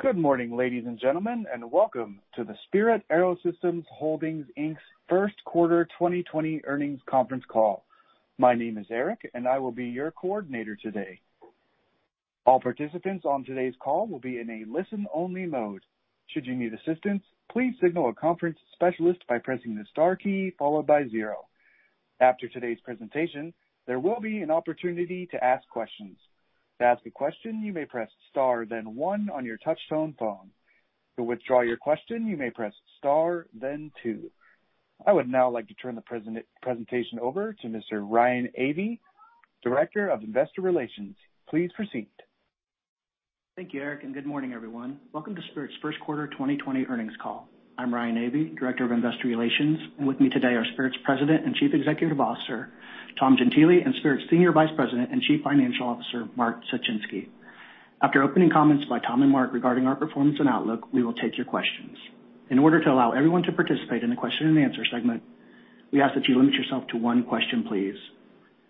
Good morning, ladies and gentlemen, and welcome to the Spirit AeroSystems Holdings, Inc.'s First Quarter 2020 Earnings Conference Call. My name is Eric, and I will be your coordinator today. All participants on today's call will be in a listen-only mode. Should you need assistance, please signal a conference specialist by pressing the star key followed by zero. After today's presentation, there will be an opportunity to ask questions. To ask a question, you may press Star, then One on your touchtone phone. To withdraw your question, you may press Star, then Two. I would now like to turn the presentation over to Mr. Ryan Avey, Director of Investor Relations. Please proceed. Thank you, Eric, and good morning, everyone. Welcome to Spirit's first quarter 2020 earnings call. I'm Ryan Avey, Director of Investor Relations, and with me today are Spirit's President and Chief Executive Officer, Tom Gentile, and Spirit's Senior Vice President and Chief Financial Officer, Mark Suchinski. After opening comments by Tom and Mark regarding our performance and outlook, we will take your questions. In order to allow everyone to participate in the question and answer segment, we ask that you limit yourself to one question, please.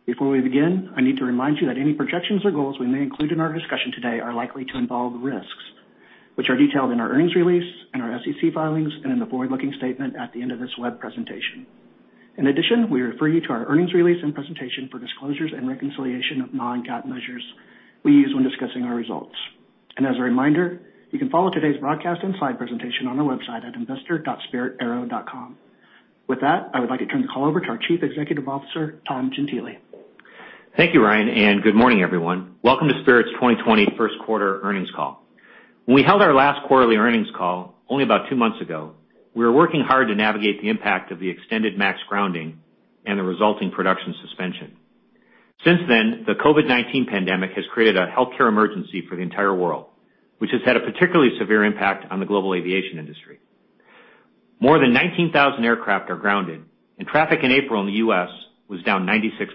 Before we begin, I need to remind you that any projections or goals we may include in our discussion today are likely to involve risks, which are detailed in our earnings release, in our SEC filings, and in the forward-looking statement at the end of this web presentation. In addition, we refer you to our earnings release and presentation for disclosures and reconciliation of non-GAAP measures we use when discussing our results. And as a reminder, you can follow today's broadcast and slide presentation on our website at investor.spiritaero.com. With that, I would like to turn the call over to our Chief Executive Officer, Tom Gentile. Thank you, Ryan, and good morning, everyone. Welcome to Spirit's 2020 first quarter earnings call. When we held our last quarterly earnings call, only about 2 months ago, we were working hard to navigate the impact of the extended MAX grounding and the resulting production suspension. Since then, the COVID-19 pandemic has created a healthcare emergency for the entire world, which has had a particularly severe impact on the global aviation industry. More than 19,000 aircraft are grounded, and traffic in April in the U.S. was down 96%.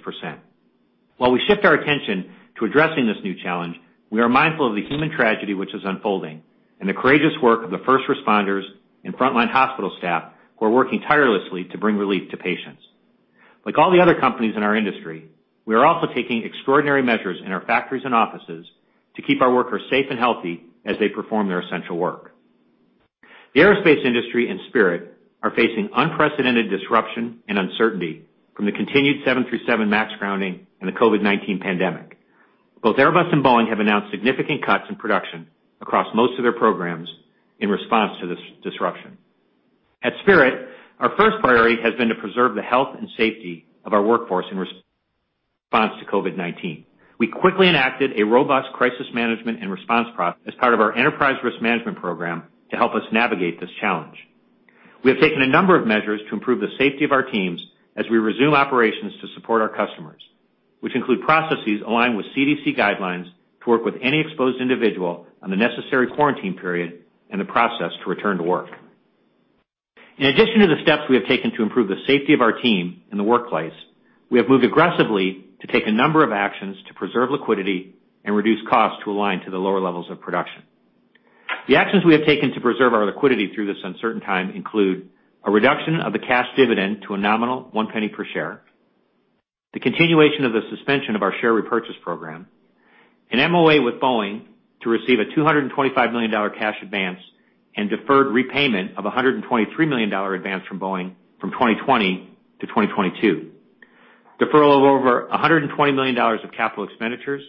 While we shift our attention to addressing this new challenge, we are mindful of the human tragedy which is unfolding and the courageous work of the first responders and frontline hospital staff who are working tirelessly to bring relief to patients. Like all the other companies in our industry, we are also taking extraordinary measures in our factories and offices to keep our workers safe and healthy as they perform their essential work. The aerospace industry and Spirit are facing unprecedented disruption and uncertainty from the continued 737 MAX grounding and the COVID-19 pandemic. Both Airbus and Boeing have announced significant cuts in production across most of their programs in response to this disruption. At Spirit, our first priority has been to preserve the health and safety of our workforce in response to COVID-19. We quickly enacted a robust crisis management and response process as part of our enterprise risk management program to help us navigate this challenge. We have taken a number of measures to improve the safety of our teams as we resume operations to support our customers, which include processes aligned with CDC guidelines to work with any exposed individual on the necessary quarantine period and the process to return to work. In addition to the steps we have taken to improve the safety of our team in the workplace, we have moved aggressively to take a number of actions to preserve liquidity and reduce costs to align to the lower levels of production. The actions we have taken to preserve our liquidity through this uncertain time include a reduction of the cash dividend to a nominal 1 penny per share, the continuation of the suspension of our share repurchase program, an MOA with Boeing to receive a $225 million cash advance and deferred repayment of a $123 million advance from Boeing from 2020 to 2022, deferral of over $120 million of capital expenditures,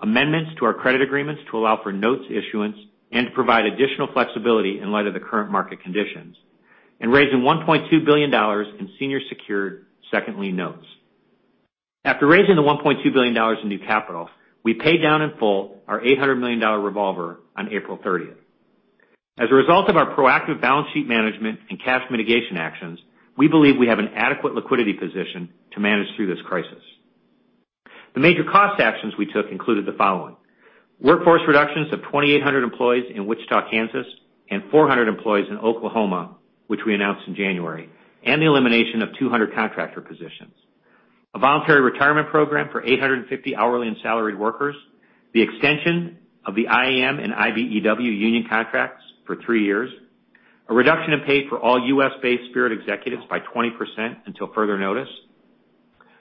amendments to our credit agreements to allow for notes issuance, and to provide additional flexibility in light of the current market conditions, and raising $1.2 billion in senior secured second lien notes. After raising the $1.2 billion in new capital, we paid down in full our $800 million revolver on April 30. As a result of our proactive balance sheet management and cash mitigation actions, we believe we have an adequate liquidity position to manage through this crisis. The major cost actions we took included the following: Workforce reductions of 2,800 employees in Wichita, Kansas, and 400 employees in Oklahoma, which we announced in January, and the elimination of 200 contractor positions. A voluntary retirement program for 850 hourly and salaried workers, the extension of the IAM and IBEW union contracts for 3 years, a reduction in pay for all U.S.-based Spirit executives by 20% until further notice,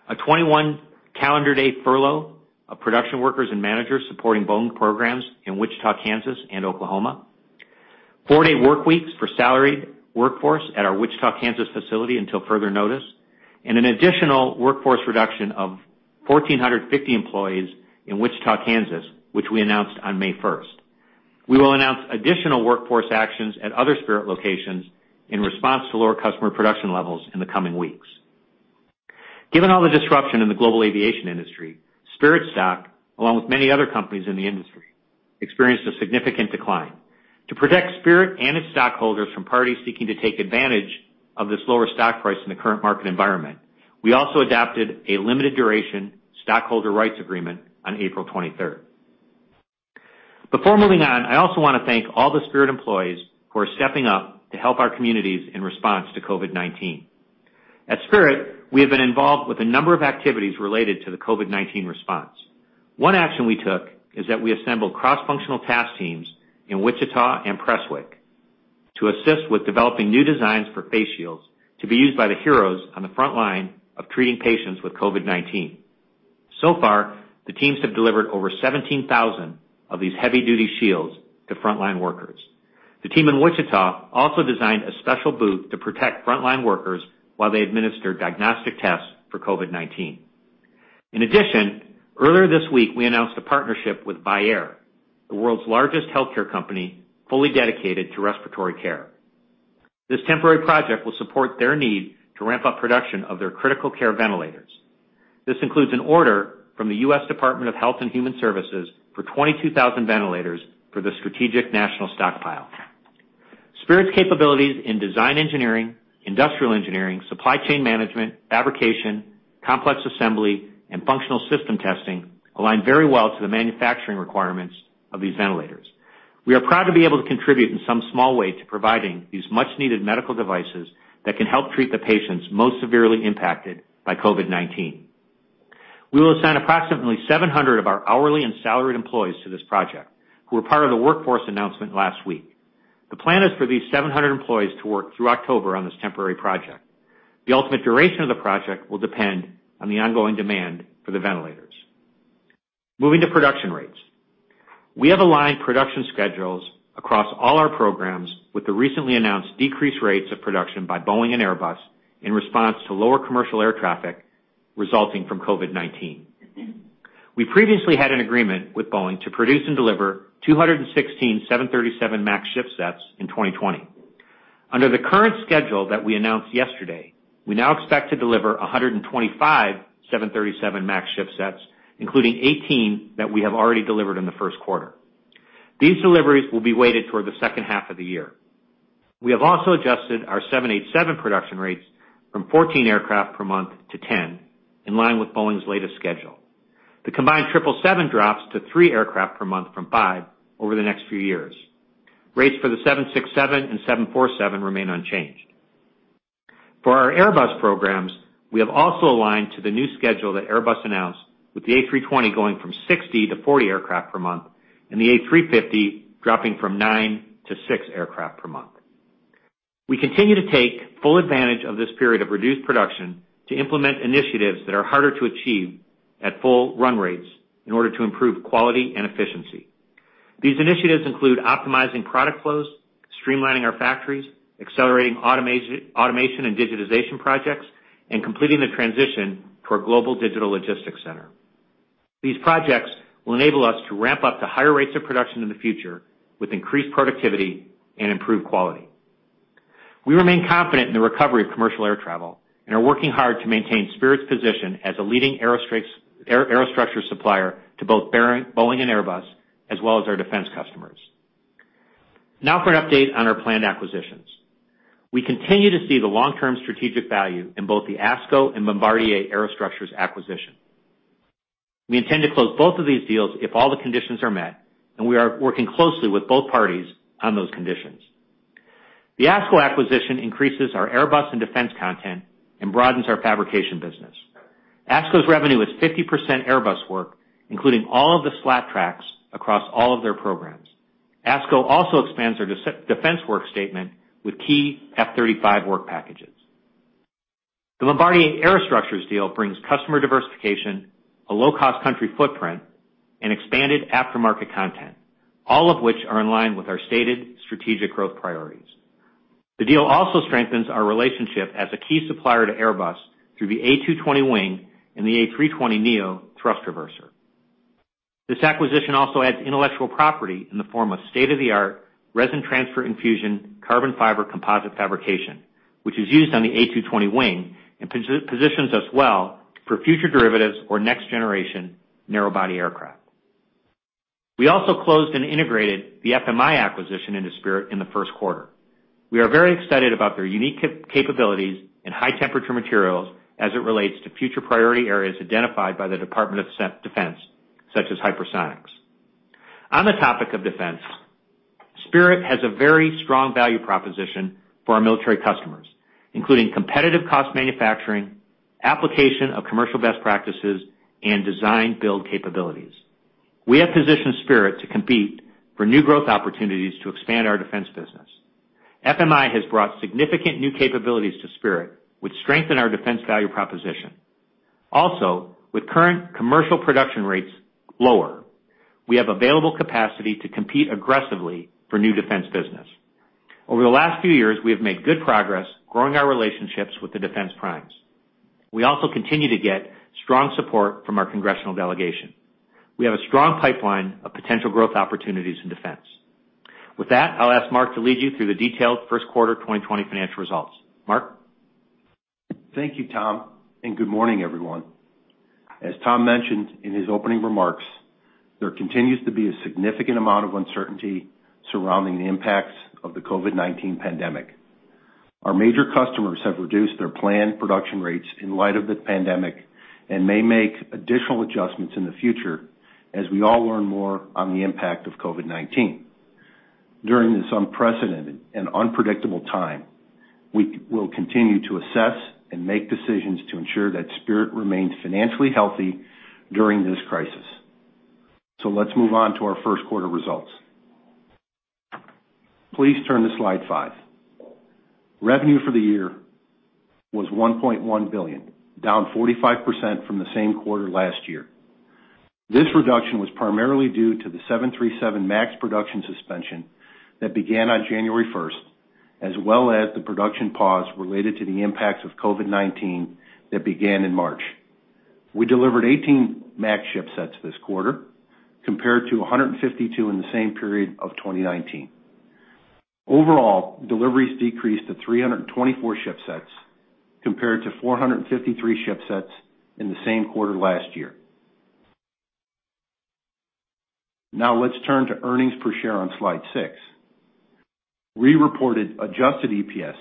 a 21-calendar day furlough of production workers and managers supporting Boeing programs in Wichita, Kansas, and Oklahoma, 4-day workweeks for salaried workforce at our Wichita, Kansas, facility until further notice, and an additional workforce reduction of 1,450 employees in Wichita, Kansas, which we announced on May first. We will announce additional workforce actions at other Spirit locations in response to lower customer production levels in the coming weeks. Given all the disruption in the global aviation industry, Spirit stock, along with many other companies in the industry, experienced a significant decline. To protect Spirit and its stockholders from parties seeking to take advantage of this lower stock price in the current market environment, we also adopted a limited duration stockholder rights agreement on April 23rd. Before moving on, I also want to thank all the Spirit employees who are stepping up to help our communities in response to COVID-19. At Spirit, we have been involved with a number of activities related to the COVID-19 response. One action we took is that we assembled cross-functional task teams in Wichita and Prestwick to assist with developing new designs for face shields to be used by the heroes on the front line of treating patients with COVID-19. So far, the teams have delivered over 17,000 of these heavy-duty shields to frontline workers. The team in Wichita also designed a special booth to protect frontline workers while they administer diagnostic tests for COVID-19. In addition, earlier this week, we announced a partnership with Vyaire, the world's largest healthcare company, fully dedicated to respiratory care. This temporary project will support their need to ramp up production of their critical care ventilators. This includes an order from the U.S. Department of Health and Human Services for 22,000 ventilators for the Strategic National Stockpile. Spirit's capabilities in design engineering, industrial engineering, supply chain management, fabrication, complex assembly, and functional system testing align very well to the manufacturing requirements of these ventilators. We are proud to be able to contribute in some small way to providing these much-needed medical devices that can help treat the patients most severely impacted by COVID-19. We will assign approximately 700 of our hourly and salaried employees to this project, who are part of the workforce announcement last week. The plan is for these 700 employees to work through October on this temporary project. The ultimate duration of the project will depend on the ongoing demand for the ventilators. Moving to production rates. We have aligned production schedules across all our programs with the recently announced decreased rates of production by Boeing and Airbus in response to lower commercial air traffic resulting from COVID-19. We previously had an agreement with Boeing to produce and deliver 216 737 MAX shipsets in 2020. Under the current schedule that we announced yesterday, we now expect to deliver 125 737 MAX shipsets, including 18 that we have already delivered in the first quarter. These deliveries will be weighted toward the second half of the year. We have also adjusted our 787 production rates from 14 aircraft per month to 10, in line with Boeing's latest schedule. The combined 777 drops to 3 aircraft per month from 5 over the next few years. Rates for the 767 and 747 remain unchanged. For our Airbus programs, we have also aligned to the new schedule that Airbus announced, with the A320 going from 60 to 40 aircraft per month, and the A350 dropping from 9 to 6 aircraft per month. We continue to take full advantage of this period of reduced production to implement initiatives that are harder to achieve at full run rates in order to improve quality and efficiency. These initiatives include optimizing product flows, streamlining our factories, accelerating automation and digitization projects, and completing the transition to our global digital logistics center. These projects will enable us to ramp up to higher rates of production in the future with increased productivity and improved quality. We remain confident in the recovery of commercial air travel and are working hard to maintain Spirit's position as a leading aerostructure supplier to both Boeing and Airbus, as well as our defense customers. Now for an update on our planned acquisitions. We continue to see the long-term strategic value in both the Asco and Bombardier Aerostructures acquisition. We intend to close both of these deals if all the conditions are met, and we are working closely with both parties on those conditions. The Asco acquisition increases our Airbus and defense content and broadens our fabrication business. Asco's revenue is 50% Airbus work, including all of the slat tracks across all of their programs. Asco also expands their defense work statement with key F-35 work packages. The Bombardier Aerostructures deal brings customer diversification, a low-cost country footprint, and expanded aftermarket content, all of which are in line with our stated strategic growth priorities. The deal also strengthens our relationship as a key supplier to Airbus through the A220 wing and the A320neo thrust reverser. This acquisition also adds intellectual property in the form of state-of-the-art resin transfer infusion, carbon fiber composite fabrication, which is used on the A220 wing and positions us well for future derivatives or next-generation narrow-body aircraft. We also closed and integrated the FMI acquisition into Spirit in the first quarter. We are very excited about their unique capabilities and high-temperature materials as it relates to future priority areas identified by the Department of Defense, such as hypersonics. On the topic of defense, Spirit has a very strong value proposition for our military customers, including competitive cost manufacturing, application of commercial best practices, and design build capabilities. We have positioned Spirit to compete for new growth opportunities to expand our defense business. FMI has brought significant new capabilities to Spirit, which strengthen our defense value proposition. Also, with current commercial production rates lower, we have available capacity to compete aggressively for new defense business. Over the last few years, we have made good progress growing our relationships with the defense primes. We also continue to get strong support from our congressional delegation. We have a strong pipeline of potential growth opportunities in defense. With that, I'll ask Mark to lead you through the detailed first quarter 2020 financial results. Mark? Thank you, Tom, and good morning, everyone. As Tom mentioned in his opening remarks, there continues to be a significant amount of uncertainty surrounding the impacts of the COVID-19 pandemic. Our major customers have reduced their planned production rates in light of the pandemic and may make additional adjustments in the future as we all learn more on the impact of COVID-19. During this unprecedented and unpredictable time, we will continue to assess and make decisions to ensure that Spirit remains financially healthy during this crisis. Let's move on to our first quarter results. Please turn to slide 5. Revenue for the year was $1.1 billion, down 45% from the same quarter last year. This reduction was primarily due to the 737 MAX production suspension that began on January 1, as well as the production pause related to the impacts of COVID-19 that began in March. We delivered 18 MAX shipsets this quarter, compared to 152 in the same period of 2019. Overall, deliveries decreased to 324 shipsets, compared to 453 shipsets in the same quarter last year. Now, let's turn to earnings per share on slide 6. We reported adjusted EPS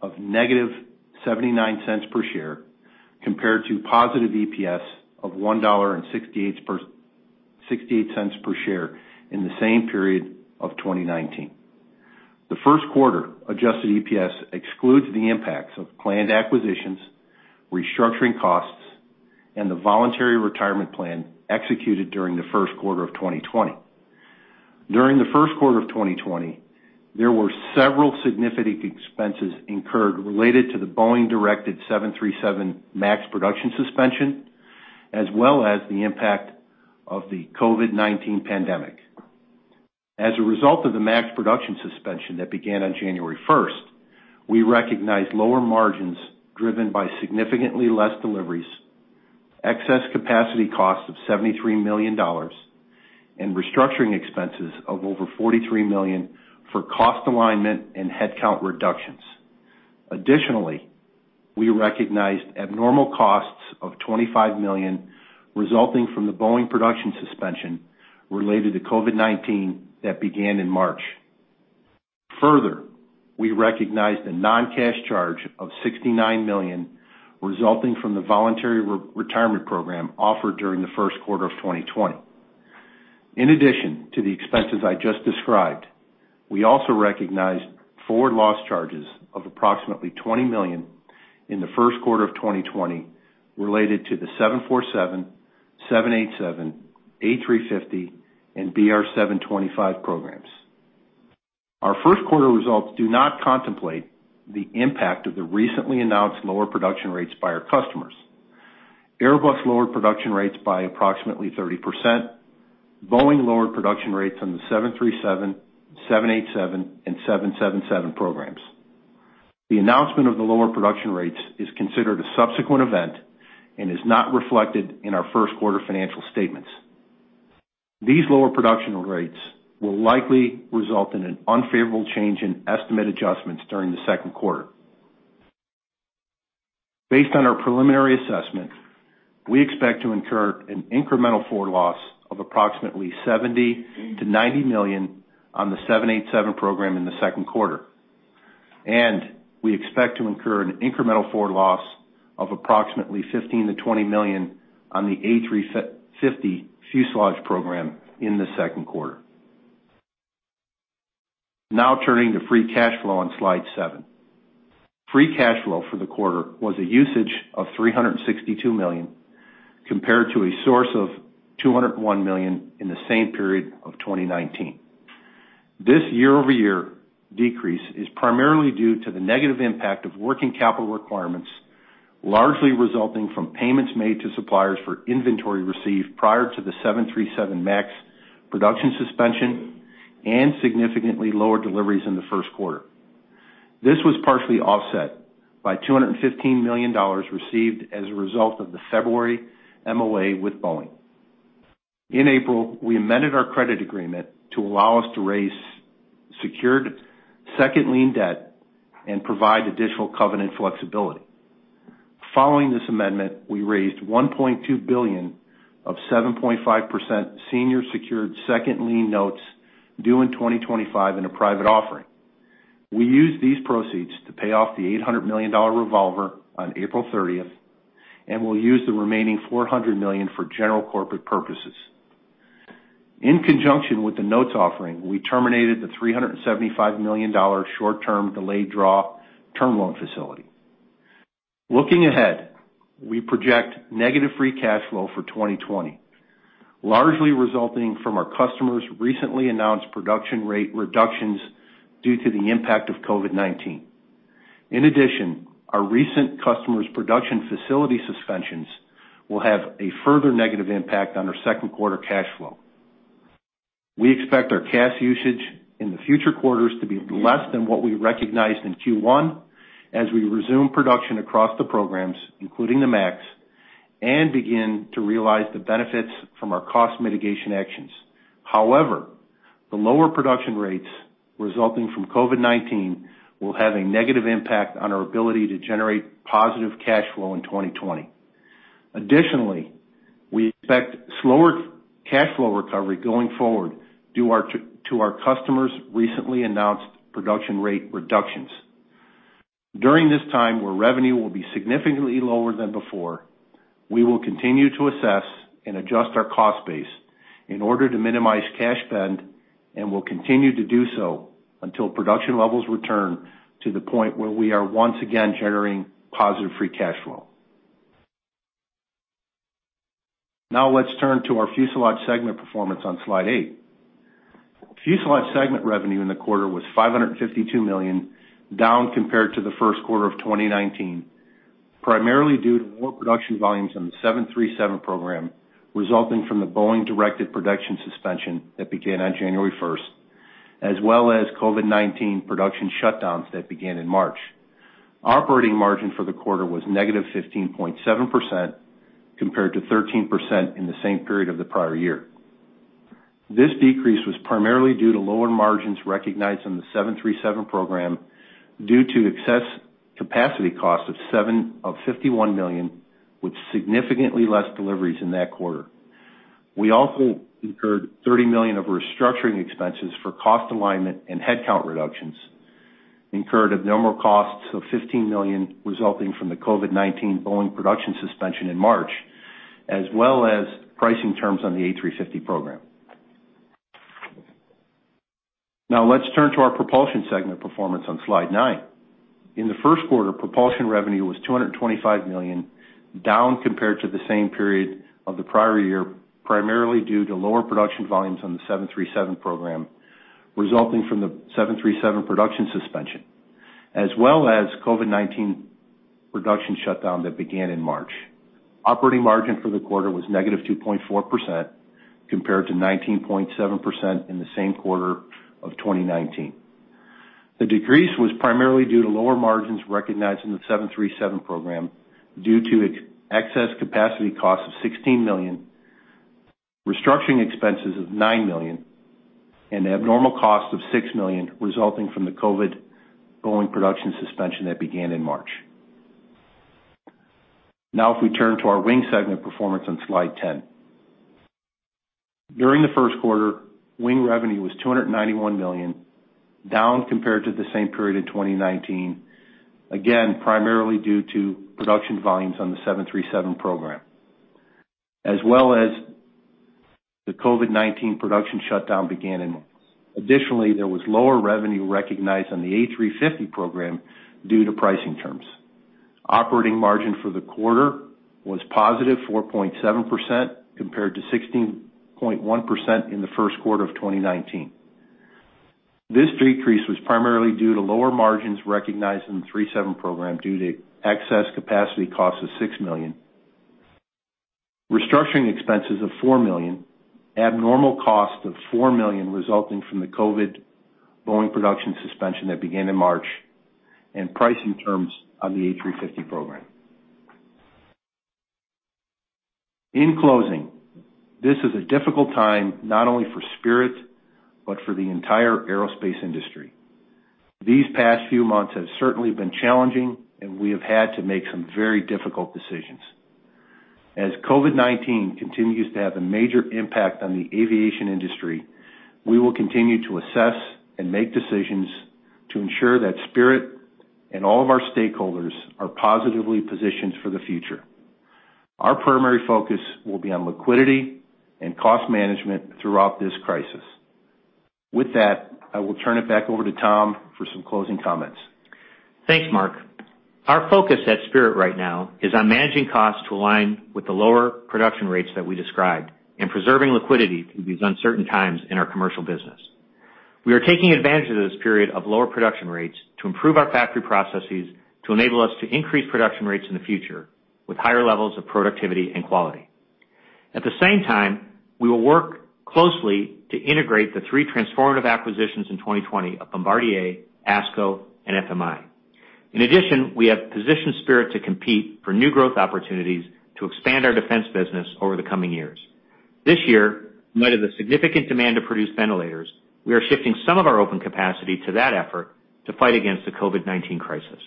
of -$0.79 per share, compared to positive EPS of $1.68 per share in the same period of 2019. The first quarter adjusted EPS excludes the impacts of planned acquisitions, restructuring costs, and the voluntary retirement plan executed during the first quarter of 2020. During the first quarter of 2020, there were several significant expenses incurred related to the Boeing-directed 737 MAX production suspension, as well as the impact of the COVID-19 pandemic. As a result of the MAX production suspension that began on January first, we recognized lower margins driven by significantly less deliveries, excess capacity costs of $73 million, and restructuring expenses of over $43 million for cost alignment and headcount reductions. Additionally, we recognized abnormal costs of $25 million, resulting from the Boeing production suspension related to COVID-19 that began in March. Further, we recognized a non-cash charge of $69 million, resulting from the voluntary retirement program offered during the first quarter of 2020. In addition to the expenses I just described, we also recognized forward loss charges of approximately $20 million in the first quarter of 2020 related to the 747, 787, A350, and BR725 programs. Our first quarter results do not contemplate the impact of the recently announced lower production rates by our customers. Airbus lowered production rates by approximately 30%. Boeing lowered production rates on the 737, 787, and 777 programs. The announcement of the lower production rates is considered a subsequent event and is not reflected in our first quarter financial statements. These lower production rates will likely result in an unfavorable change in estimated adjustments during the second quarter. Based on our preliminary assessment, we expect to incur an incremental forward loss of approximately $70 million-$90 million on the 787 program in the second quarter, and we expect to incur an incremental forward loss of approximately $15 million-$20 million on the A350 fuselage program in the second quarter. Now, turning to free cash flow on slide 7. Free cash flow for the quarter was a usage of $362 million, compared to a source of $201 million in the same period of 2019. This year-over-year decrease is primarily due to the negative impact of working capital requirements, largely resulting from payments made to suppliers for inventory received prior to the 737 MAX production suspension and significantly lower deliveries in the first quarter. This was partially offset by $215 million received as a result of the February MOA with Boeing. In April, we amended our credit agreement to allow us to raise secured second lien debt and provide additional covenant flexibility. Following this amendment, we raised $1.2 billion of 7.5% senior secured second lien notes due in 2025 in a private offering. We used these proceeds to pay off the $800 million revolver on April 30, and we'll use the remaining $400 million for general corporate purposes. In conjunction with the notes offering, we terminated the $375 million short-term delayed draw term loan facility. Looking ahead, we project negative free cash flow for 2020, largely resulting from our customers' recently announced production rate reductions due to the impact of COVID-19. In addition, our recent customers' production facility suspensions will have a further negative impact on our second quarter cash flow. We expect our cash usage in the future quarters to be less than what we recognized in Q1 as we resume production across the programs, including the MAX, and begin to realize the benefits from our cost mitigation actions. However, the lower production rates resulting from COVID-19 will have a negative impact on our ability to generate positive cash flow in 2020. Additionally, we expect slower cash flow recovery going forward due to our customers' recently announced production rate reductions. During this time, where revenue will be significantly lower than before, we will continue to assess and adjust our cost base in order to minimize cash spend, and we'll continue to do so until production levels return to the point where we are once again generating positive free cash flow. Now let's turn to our Fuselage segment performance on Slide 8. Fuselage segment revenue in the quarter was $552 million, down compared to the first quarter of 2019, primarily due to lower production volumes on the 737 program, resulting from the Boeing-directed production suspension that began on January first, as well as COVID-19 production shutdowns that began in March. Operating margin for the quarter was negative 15.7%, compared to 13% in the same period of the prior year. This decrease was primarily due to lower margins recognized in the 737 program due to excess capacity costs of $51 million, with significantly less deliveries in that quarter. We also incurred $30 million of restructuring expenses for cost alignment and headcount reductions, incurred abnormal costs of $15 million, resulting from the COVID-19 Boeing production suspension in March, as well as pricing terms on the A350 program. Now let's turn to our Propulsion segment performance on Slide 9. In the first quarter, propulsion revenue was $225 million, down compared to the same period of the prior year, primarily due to lower production volumes on the 737 program, resulting from the 737 production suspension, as well as COVID-19 production shutdown that began in March. Operating margin for the quarter was negative 2.4%, compared to 19.7% in the same quarter of 2019. The decrease was primarily due to lower margins recognized in the 737 program, due to excess capacity costs of $16 million, restructuring expenses of $9 million, and abnormal cost of $6 million, resulting from the COVID Boeing production suspension that began in March. Now, if we turn to our Wing segment performance on Slide 10. During the first quarter, wing revenue was $291 million, down compared to the same period in 2019, again, primarily due to production volumes on the 737 program, as well as the COVID-19 production shutdown began in... Additionally, there was lower revenue recognized on the A350 program due to pricing terms. Operating margin for the quarter was positive 4.7%, compared to 16.1% in the first quarter of 2019. This decrease was primarily due to lower margins recognized in the 737 program, due to excess capacity costs of $6 million, restructuring expenses of $4 million, abnormal cost of $4 million, resulting from the COVID Boeing production suspension that began in March, and pricing terms on the A350 program. In closing, this is a difficult time, not only for Spirit, but for the entire aerospace industry. These past few months have certainly been challenging, and we have had to make some very difficult decisions. As COVID-19 continues to have a major impact on the aviation industry, we will continue to assess and make decisions to ensure that Spirit and all of our stakeholders are positively positioned for the future. Our primary focus will be on liquidity and cost management throughout this crisis. With that, I will turn it back over to Tom for some closing comments. Thanks, Mark. Our focus at Spirit right now is on managing costs to align with the lower production rates that we described and preserving liquidity through these uncertain times in our commercial business. We are taking advantage of this period of lower production rates to improve our factory processes, to enable us to increase production rates in the future with higher levels of productivity and quality. At the same time, we will work closely to integrate the three transformative acquisitions in 2020 of Bombardier, Asco, and FMI. In addition, we have positioned Spirit to compete for new growth opportunities to expand our defense business over the coming years. This year, in light of the significant demand to produce ventilators, we are shifting some of our open capacity to that effort to fight against the COVID-19 crisis.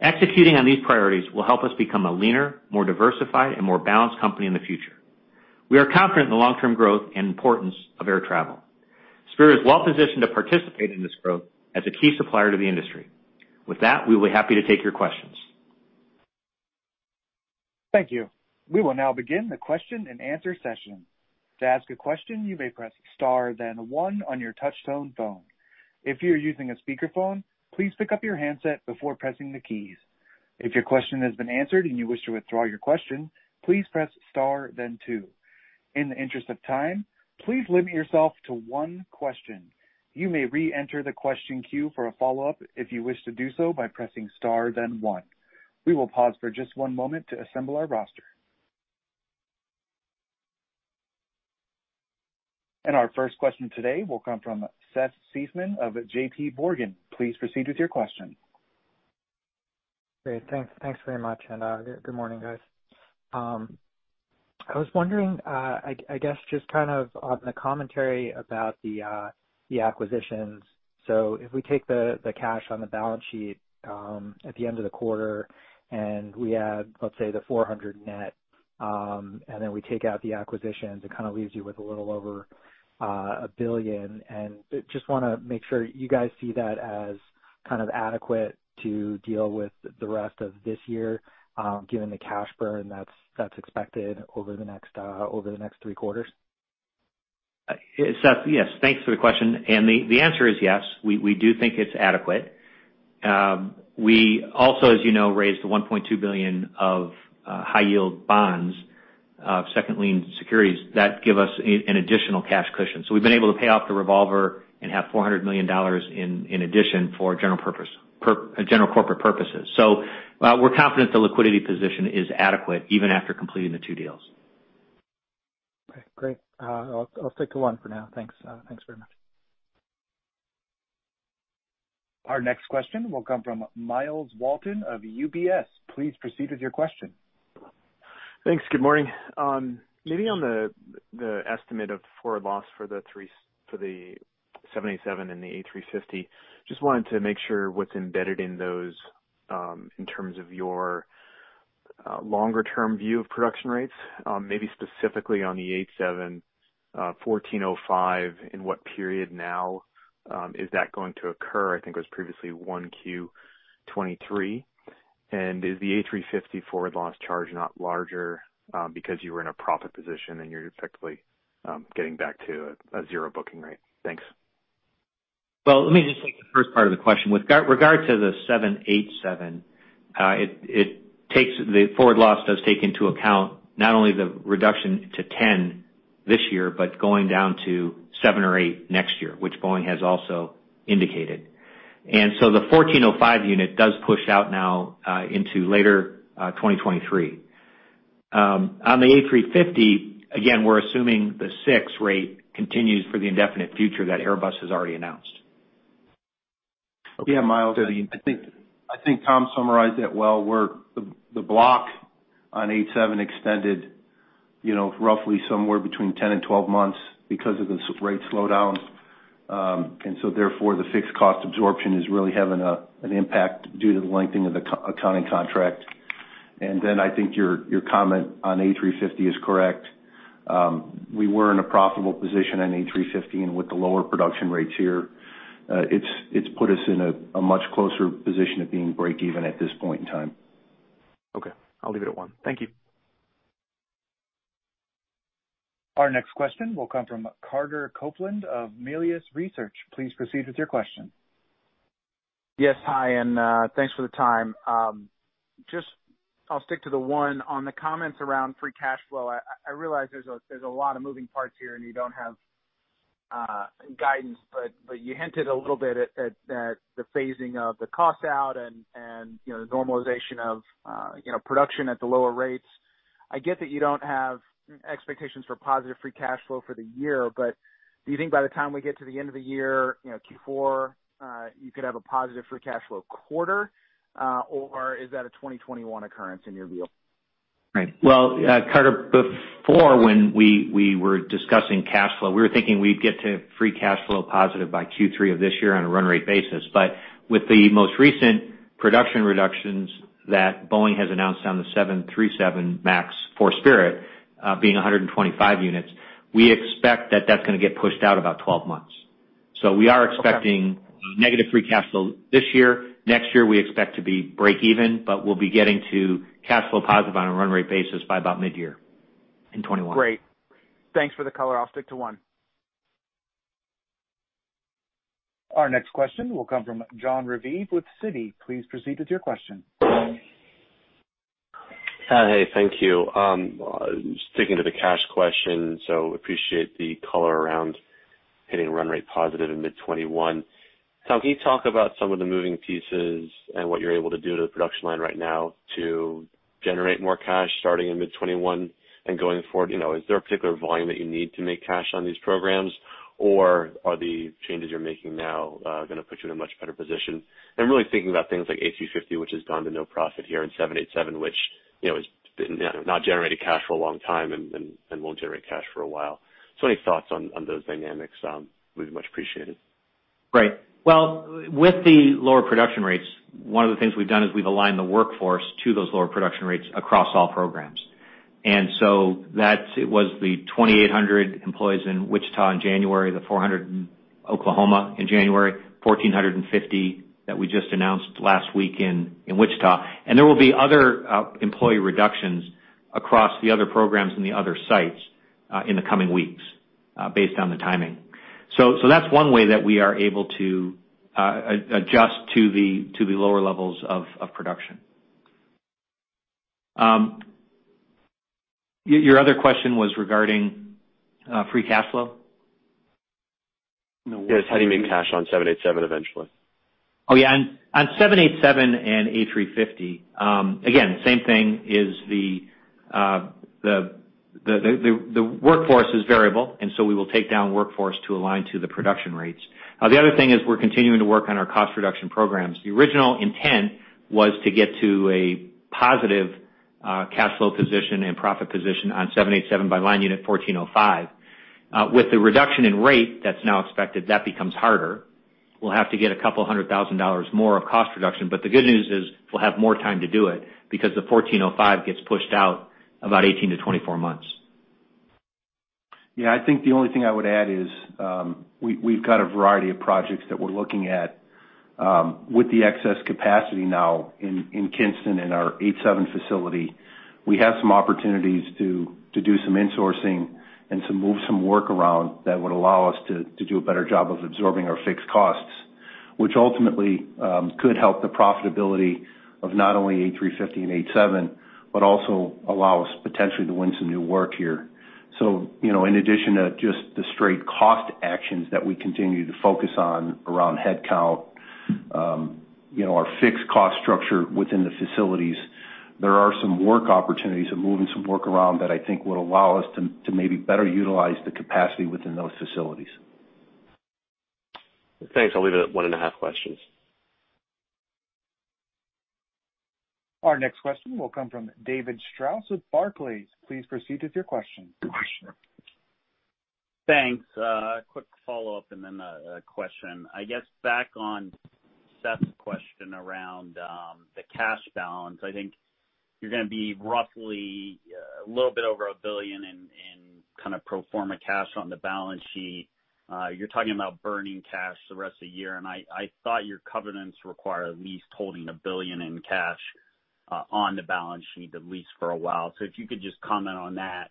Executing on these priorities will help us become a leaner, more diversified, and more balanced company in the future. We are confident in the long-term growth and importance of air travel. Spirit is well-positioned to participate in this growth as a key supplier to the industry. With that, we'll be happy to take your questions. Thank you. We will now begin the question-and-answer session. To ask a question, you may press star then one on your touchtone phone. If you're using a speakerphone, please pick up your handset before pressing the keys. If your question has been answered and you wish to withdraw your question, please press star then two. In the interest of time, please limit yourself to one question. You may reenter the question queue for a follow-up if you wish to do so by pressing star then one. We will pause for just one moment to assemble our roster. Our first question today will come from Seth Seifman of JPMorgan. Please proceed with your question. Great. Thanks, thanks very much, and good morning, guys. I was wondering, I guess, just kind of on the commentary about the acquisitions. So if we take the cash on the balance sheet at the end of the quarter, and we add, let's say, the $400 million net, and then we take out the acquisitions, it kind of leaves you with a little over $1 billion. And just want to make sure you guys see that as kind of adequate to deal with the rest of this year, given the cash burn that's expected over the next three quarters?... Seth, yes, thanks for the question. The answer is yes, we do think it's adequate. We also, as you know, raised $1.2 billion of high yield bonds, second lien securities that give us an additional cash cushion. So we've been able to pay off the revolver and have $400 million in addition for general corporate purposes. So, we're confident the liquidity position is adequate even after completing the two deals. Okay, great. I'll stick to one for now. Thanks. Thanks very much. Our next question will come from Myles Walton of UBS. Please proceed with your question. Thanks. Good morning. Maybe on the, the estimate of forward loss for the three- for the 787 and the A350, just wanted to make sure what's embedded in those, in terms of your, longer term view of production rates, maybe specifically on the 787, 1,405, in what period now, is that going to occur? I think it was previously 1Q 2023. And is the A350 forward loss charge not larger, because you were in a profit position and you're effectively, getting back to a, a zero booking rate? Thanks. Well, let me just take the first part of the question. With regard to the 787, the forward loss does take into account not only the reduction to 10 this year, but going down to 7 or 8 next year, which Boeing has also indicated. And so the 1,405 unit does push out now into later 2023. On the A350, again, we're assuming the 6 rate continues for the indefinite future that Airbus has already announced. Okay. Yeah, Myles, I think Tom summarized it well, where the block on 787 extended, you know, roughly somewhere between 10 and 12 months because of the 787 rate slowdown. And so therefore, the fixed cost absorption is really having an impact due to the lengthening of the 787 accounting contract. And then I think your comment on A350 is correct. We were in a profitable position on A350, and with the lower production rates here, it's put us in a much closer position of being break even at this point in time. Okay. I'll leave it at one. Thank you. Our next question will come from Carter Copeland of Melius Research. Please proceed with your question. Yes, hi, and thanks for the time. Just I'll stick to the one. On the comments around free cash flow, I realize there's a lot of moving parts here, and you don't have guidance, but you hinted a little bit at the phasing of the costs out and, you know, the normalization of production at the lower rates. I get that you don't have expectations for positive free cash flow for the year, but do you think by the time we get to the end of the year, you know, Q4, you could have a positive free cash flow quarter, or is that a 2021 occurrence in your view? Right. Well, Carter, before when we were discussing cash flow, we were thinking we'd get to free cash flow positive by Q3 of this year on a run rate basis. But with the most recent production reductions that Boeing has announced on the 737 MAX for Spirit, being 125 units, we expect that that's gonna get pushed out about 12 months. Okay. We are expecting negative Free Cash Flow this year. Next year, we expect to be break even, but we'll be getting to cash flow positive on a run-rate basis by about midyear in 2021. Great. Thanks for the color. I'll stick to one. Our next question will come from Jon Raviv with Citi. Please proceed with your question. Hey, thank you. Sticking to the cash question, so appreciate the color around hitting run-rate positive in mid-2021. Tom, can you talk about some of the moving pieces and what you're able to do to the production line right now to generate more cash starting in mid-2021 and going forward? You know, is there a particular volume that you need to make cash on these programs, or are the changes you're making now gonna put you in a much better position? I'm really thinking about things like A350, which has gone to no profit here, and 787, which, you know, has been not generating cash for a long time and won't generate cash for a while. So any thoughts on those dynamics would be much appreciated. Right. Well, with the lower production rates, one of the things we've done is we've aligned the workforce to those lower production rates across all programs. And so that's—it was the 2,800 employees in Wichita in January, the 400 in Oklahoma in January, 1,450 that we just announced last week in Wichita. And there will be other employee reductions across the other programs and the other sites in the coming weeks based on the timing. So that's one way that we are able to adjust to the lower levels of production. Your other question was regarding free cash flow? Yes, how do you make cash on 787 eventually? Oh, yeah. On 787 and A350, again, same thing is the workforce is variable, and so we will take down workforce to align to the production rates. The other thing is we're continuing to work on our cost reduction programs. The original intent was to get to a positive cash flow position and profit position on 787 by line unit 1405. With the reduction in rate that's now expected, that becomes harder. We'll have to get a couple hundred thousand dollars more of cost reduction, but the good news is we'll have more time to do it because the 1405 gets pushed out about 18-24 months. Yeah, I think the only thing I would add is, we, we've got a variety of projects that we're looking at with the excess capacity now in, in Kinston, in our 787 facility, we have some opportunities to, to do some insourcing and to move some work around that would allow us to, to do a better job of absorbing our fixed costs, which ultimately, could help the profitability of not only A350 and 787, but also allow us potentially to win some new work here. So, you know, in addition to just the straight cost actions that we continue to focus on around headcount, you know, our fixed cost structure within the facilities, there are some work opportunities and moving some work around that I think will allow us to, to maybe better utilize the capacity within those facilities. Thanks. I'll leave it at 1.5 questions. Our next question will come from David Strauss with Barclays. Please proceed with your question. Thanks. Quick follow-up and then a question. I guess back on Seth's question around the cash balance, I think you're gonna be roughly a little bit over $1 billion in kind of pro forma cash on the balance sheet. You're talking about burning cash the rest of the year, and I thought your covenants require at least holding $1 billion in cash on the balance sheet, at least for a while. So if you could just comment on that.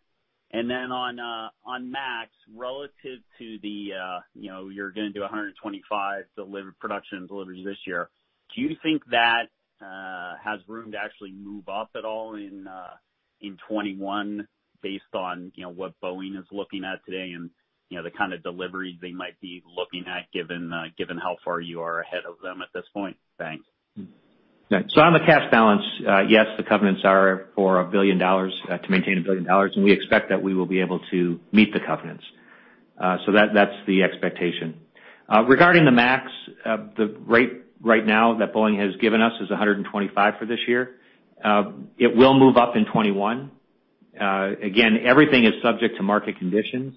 And then on MAX, relative to the, you know, you're gonna do 125 production deliveries this year. Do you think that has room to actually move up at all in 2021 based on, you know, what Boeing is looking at today and, you know, the kind of deliveries they might be looking at, given how far you are ahead of them at this point? Thanks. Yeah. So on the cash balance, yes, the covenants are for $1 billion, to maintain $1 billion, and we expect that we will be able to meet the covenants. So that, that's the expectation. Regarding the MAX, the rate right now that Boeing has given us is 125 for this year. It will move up in 2021. Again, everything is subject to market conditions,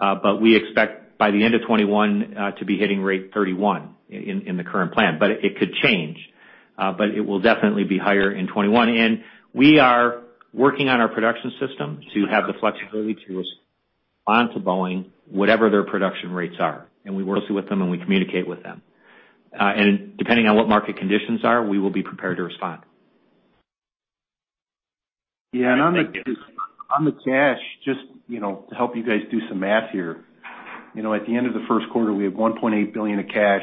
but we expect by the end of 2021, to be hitting rate 31 in the current plan, but it could change. But it will definitely be higher in 2021, and we are working on our production system to have the flexibility to respond to Boeing, whatever their production rates are, and we work with them, and we communicate with them. Depending on what market conditions are, we will be prepared to respond. Yeah, and on the cash, just, you know, to help you guys do some math here. You know, at the end of the first quarter, we had $1.8 billion of cash.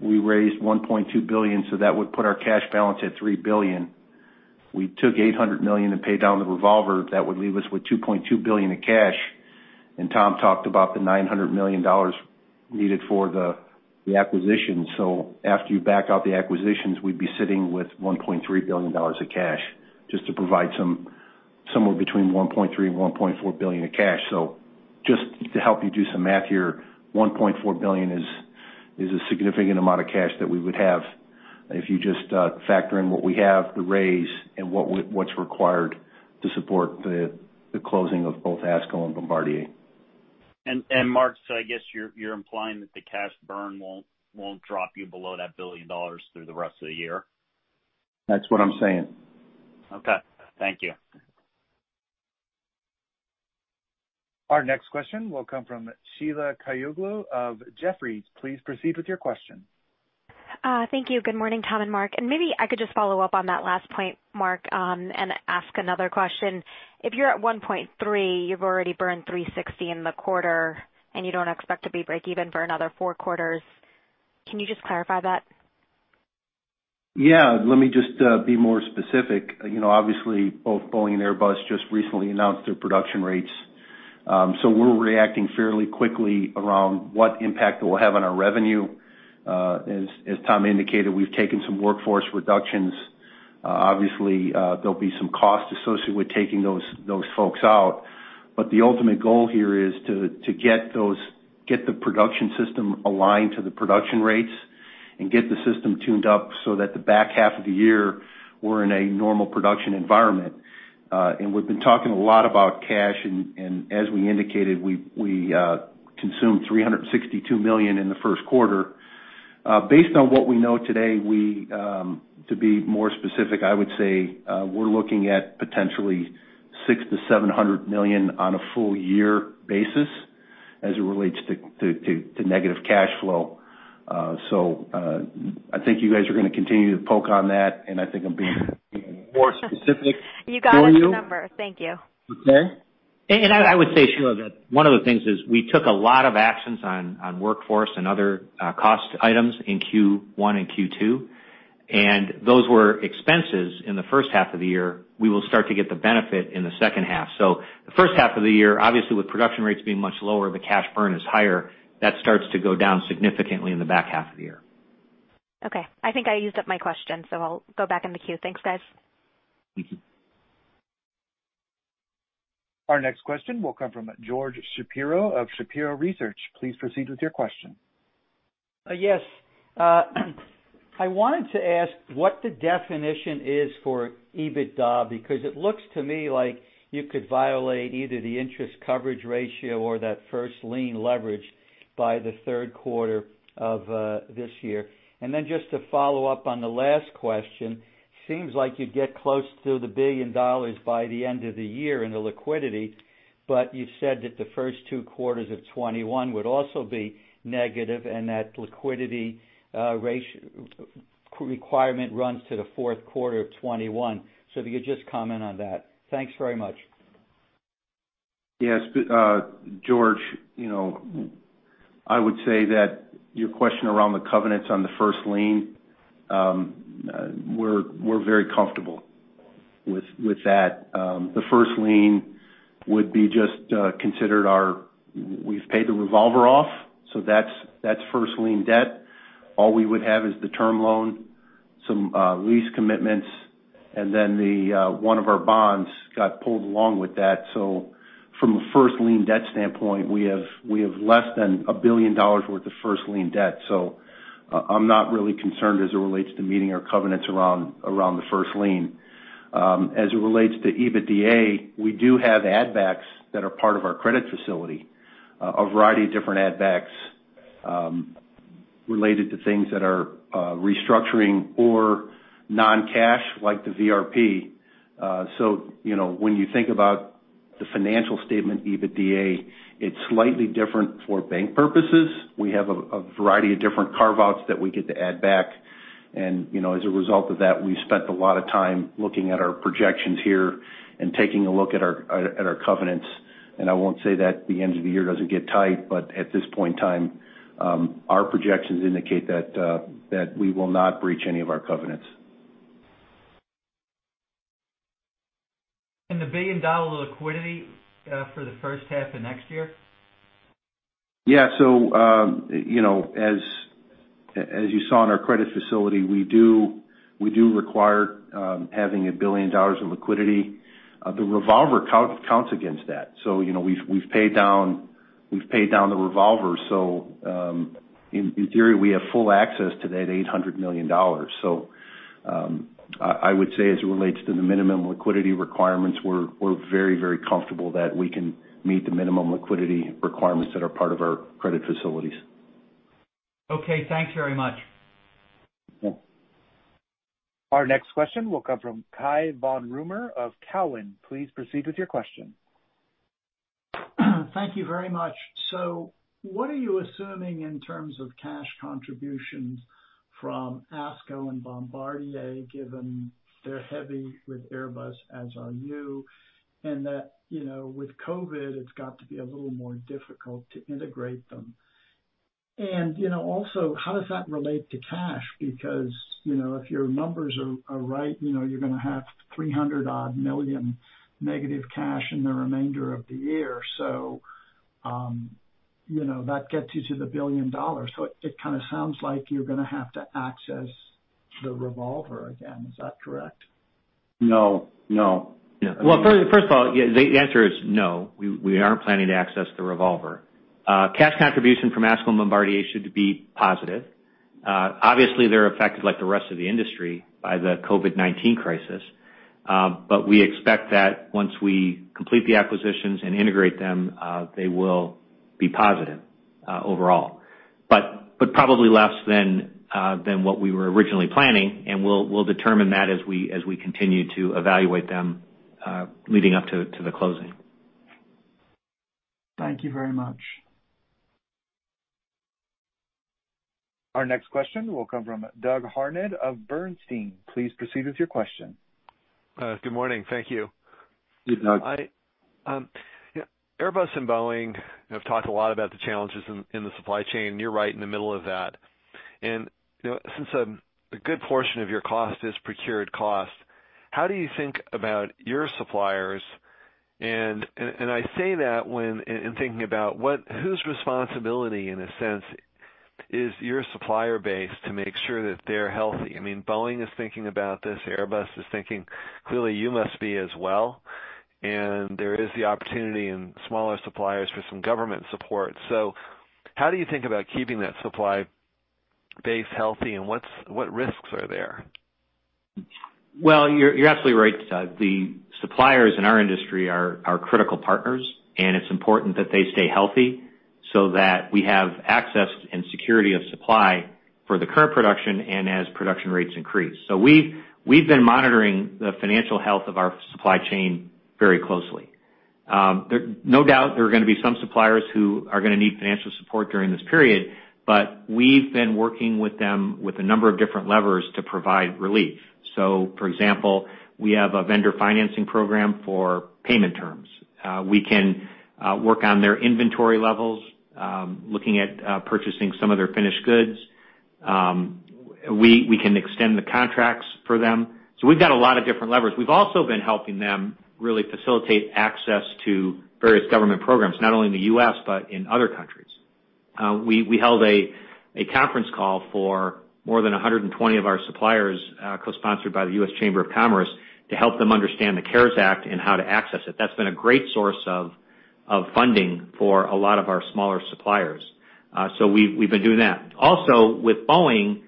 We raised $1.2 billion, so that would put our cash balance at $3 billion. We took $800 million to pay down the revolver. That would leave us with $2.2 billion in cash, and Tom talked about the $900 million needed for the, the acquisition. So after you back out the acquisitions, we'd be sitting with $1.3 billion of cash, just to provide some, somewhere between $1.3 billion and $1.4 billion of cash. So just to help you do some math here, $1.4 billion is a significant amount of cash that we would have if you just factor in what we have, the raise, and what's required to support the closing of both Asco and Bombardier. Mark, so I guess you're implying that the cash burn won't drop you below that $1 billion through the rest of the year? That's what I'm saying. Okay. Thank you. Our next question will come from Sheila Kahyaoglu of Jefferies. Please proceed with your question. Thank you. Good morning, Tom and Mark. Maybe I could just follow up on that last point, Mark, and ask another question. If you're at $1.3, you've already burned $360 in the quarter, and you don't expect to be break even for another 4 quarters. Can you just clarify that? Yeah. Let me just be more specific. You know, obviously, both Boeing and Airbus just recently announced their production rates. So we're reacting fairly quickly around what impact it will have on our revenue. As Tom indicated, we've taken some workforce reductions. Obviously, there'll be some costs associated with taking those folks out, but the ultimate goal here is to get the production system aligned to the production rates and get the system tuned up so that the back half of the year, we're in a normal production environment. And we've been talking a lot about cash, and as we indicated, we consumed $362 million in the first quarter. Based on what we know today, to be more specific, I would say, we're looking at potentially $600 million-$700 million on a full year basis as it relates to negative cash flow. So, I think you guys are gonna continue to poke on that, and I think I'm being more specific to you. You got us the number. Thank you. Okay. I would say, Sheila, that one of the things is we took a lot of actions on workforce and other cost items in Q1 and Q2, and those were expenses in the first half of the year. We will start to get the benefit in the second half. So the first half of the year, obviously, with production rates being much lower, the cash burn is higher. That starts to go down significantly in the back half of the year. Okay, I think I used up my question, so I'll go back in the queue. Thanks, guys. Mm-hmm. Our next question will come from George Shapiro of Shapiro Research. Please proceed with your question. Yes. I wanted to ask what the definition is for EBITDA, because it looks to me like you could violate either the interest coverage ratio or that first lien leverage by the third quarter of this year. And then just to follow up on the last question, seems like you'd get close to $1 billion by the end of the year in the liquidity, but you've said that the first two quarters of 2021 would also be negative and that liquidity ratio-requirement runs to the fourth quarter of 2021. So if you could just comment on that. Thanks very much.... Yes, but, George, you know, I would say that your question around the covenants on the first lien, we're very comfortable with that. The first lien would be just considered our-- we've paid the revolver off, so that's first lien debt. All we would have is the term loan, some lease commitments, and then the one of our bonds got pulled along with that. So from a first lien debt standpoint, we have less than $1 billion worth of first lien debt. So I'm not really concerned as it relates to meeting our covenants around the first lien. As it relates to EBITDA, we do have add backs that are part of our credit facility. A variety of different add backs, related to things that are, restructuring or non-cash, like the VRP. So, you know, when you think about the financial statement, EBITDA, it's slightly different for bank purposes. We have a, a variety of different carve-outs that we get to add back, and, you know, as a result of that, we've spent a lot of time looking at our projections here and taking a look at our, at our covenants. And I won't say that the end of the year doesn't get tight, but at this point in time, our projections indicate that, that we will not breach any of our covenants. The $1 billion liquidity for the first half of next year? Yeah. So, you know, as you saw in our credit facility, we do require having $1 billion in liquidity. The revolver counts against that. So, you know, we've paid down the revolver, so in theory, we have full access to that $800 million. So, I would say as it relates to the minimum liquidity requirements, we're very comfortable that we can meet the minimum liquidity requirements that are part of our credit facilities. Okay, thanks very much. Yeah. Our next question will come from Cai von Rumohr of Cowen. Please proceed with your question. Thank you very much. So what are you assuming in terms of cash contributions from Asco and Bombardier, given they're heavy with Airbus, as are you, and that, you know, with COVID, it's got to be a little more difficult to integrate them? And, you know, also, how does that relate to cash? Because, you know, if your numbers are, are right, you know, you're gonna have $300-odd million negative cash in the remainder of the year. So, you know, that gets you to the $1 billion. So it, it kind of sounds like you're gonna have to access the revolver again. Is that correct? No. No. Well, first of all, yeah, the answer is no. We aren't planning to access the revolver. Cash contribution from Asco and Bombardier should be positive. Obviously, they're affected like the rest of the industry by the COVID-19 crisis. But we expect that once we complete the acquisitions and integrate them, they will be positive overall. But probably less than what we were originally planning, and we'll determine that as we continue to evaluate them leading up to the closing. Thank you very much. Our next question will come from Doug Harned of Bernstein. Please proceed with your question. Good morning. Thank you. Good, Doug. Airbus and Boeing have talked a lot about the challenges in the supply chain, and you're right in the middle of that. You know, since a good portion of your cost is procured cost, how do you think about your suppliers? I say that when, in thinking about whose responsibility, in a sense, is your supplier base to make sure that they're healthy? I mean, Boeing is thinking about this. Airbus is thinking. Clearly, you must be as well, and there is the opportunity in smaller suppliers for some government support. So how do you think about keeping that supply base healthy, and what risks are there? Well, you're absolutely right, Doug. The suppliers in our industry are critical partners, and it's important that they stay healthy so that we have access and security of supply for the current production and as production rates increase. So we've been monitoring the financial health of our supply chain very closely. No doubt there are gonna be some suppliers who are gonna need financial support during this period, but we've been working with them with a number of different levers to provide relief. So, for example, we have a vendor financing program for payment terms. We can work on their inventory levels, looking at purchasing some of their finished goods. We can extend the contracts for them. So we've got a lot of different levers. We've also been helping them really facilitate access to various government programs, not only in the U.S., but in other countries. We held a conference call for more than 120 of our suppliers, co-sponsored by the U.S. Chamber of Commerce, to help them understand the CARES Act and how to access it. That's been a great source of funding for a lot of our smaller suppliers. So we've been doing that. Also, with Boeing,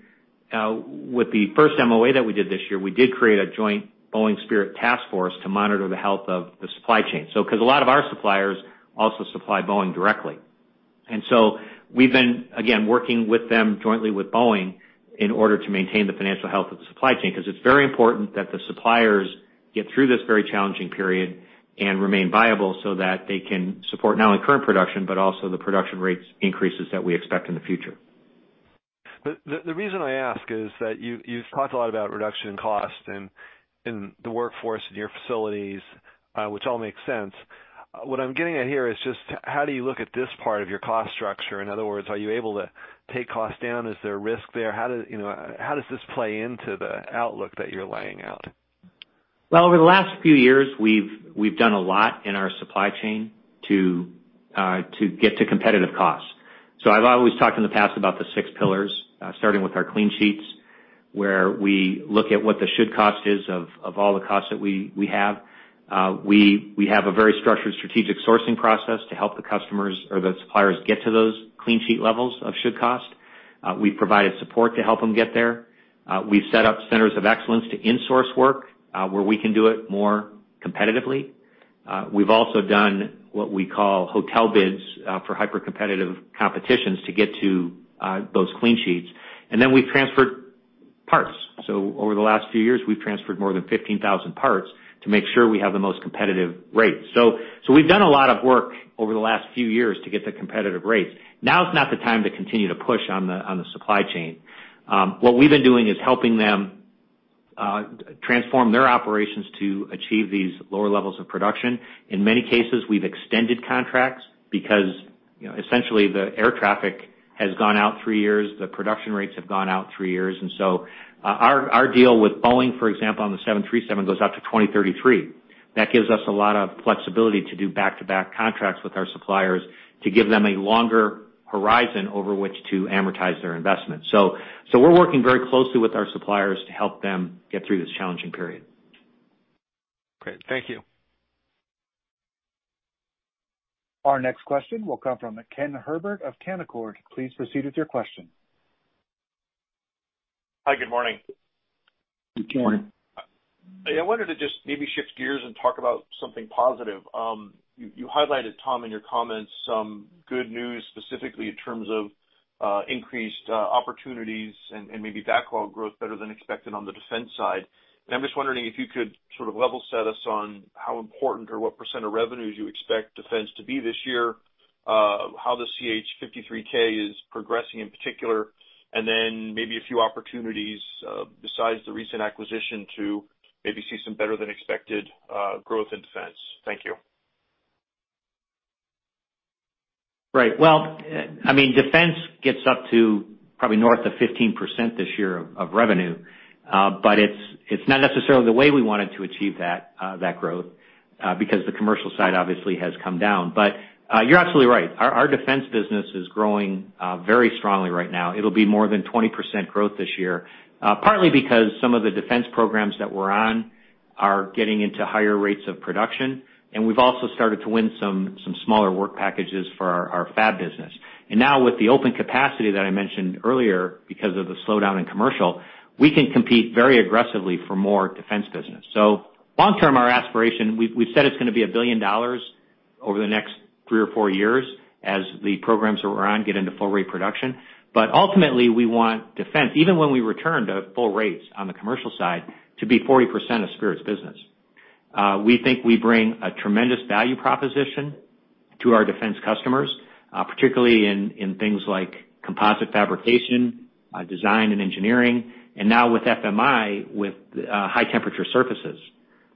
with the first MOA that we did this year, we did create a joint Boeing Spirit task force to monitor the health of the supply chain. So because a lot of our suppliers also supply Boeing directly. And so we've been, again, working with them jointly with Boeing in order to maintain the financial health of the supply chain, because it's very important that the suppliers get through this very challenging period and remain viable so that they can support not only current production, but also the production rates increases that we expect in the future.... The reason I ask is that you've talked a lot about reduction in cost and in the workforce and your facilities, which all makes sense. What I'm getting at here is just how do you look at this part of your cost structure? In other words, are you able to take costs down? Is there risk there? How, you know, does this play into the outlook that you're laying out? Well, over the last few years, we've done a lot in our supply chain to to get to competitive costs. So I've always talked in the past about the six pillars, starting with our clean sheets, where we look at what the should cost is of all the costs that we have. We have a very structured strategic sourcing process to help the customers or the suppliers get to those clean sheet levels of should cost. We've provided support to help them get there. We've set up centers of excellence to insource work, where we can do it more competitively. We've also done what we call hotel bids, for hypercompetitive competitions to get to those clean sheets. And then we've transferred parts. So over the last few years, we've transferred more than 15,000 parts to make sure we have the most competitive rates. So, so we've done a lot of work over the last few years to get the competitive rates. Now is not the time to continue to push on the supply chain. What we've been doing is helping them transform their operations to achieve these lower levels of production. In many cases, we've extended contracts because, you know, essentially, the air traffic has gone out three years, the production rates have gone out three years. And so, our deal with Boeing, for example, on the 737, goes out to 2033. That gives us a lot of flexibility to do back-to-back contracts with our suppliers to give them a longer horizon over which to amortize their investment. So, we're working very closely with our suppliers to help them get through this challenging period. Great. Thank you. Our next question will come from Ken Herbert of Canaccord. Please proceed with your question. Hi, good morning. Good morning. I wanted to just maybe shift gears and talk about something positive. You highlighted, Tom, in your comments, some good news, specifically in terms of increased opportunities and maybe backlog growth better than expected on the defense side. I'm just wondering if you could sort of level set us on how important or what % of revenues you expect defense to be this year, how the CH-53K is progressing in particular, and then maybe a few opportunities besides the recent acquisition to maybe see some better than expected growth in defense. Thank you. Right. Well, I mean, defense gets up to probably north of 15% this year of revenue. But it's not necessarily the way we wanted to achieve that growth, because the commercial side obviously has come down. But you're absolutely right. Our defense business is growing very strongly right now. It'll be more than 20% growth this year, partly because some of the defense programs that we're on are getting into higher rates of production, and we've also started to win some smaller work packages for our fab business. And now, with the open capacity that I mentioned earlier, because of the slowdown in commercial, we can compete very aggressively for more defense business. So long term, our aspiration, we've said it's gonna be $1 billion over the next 3 or 4 years as the programs that we're on get into full rate production. But ultimately, we want defense, even when we return to full rates on the commercial side, to be 40% of Spirit's business. We think we bring a tremendous value proposition to our defense customers, particularly in things like composite fabrication, design and engineering, and now with FMI, with high temperature surfaces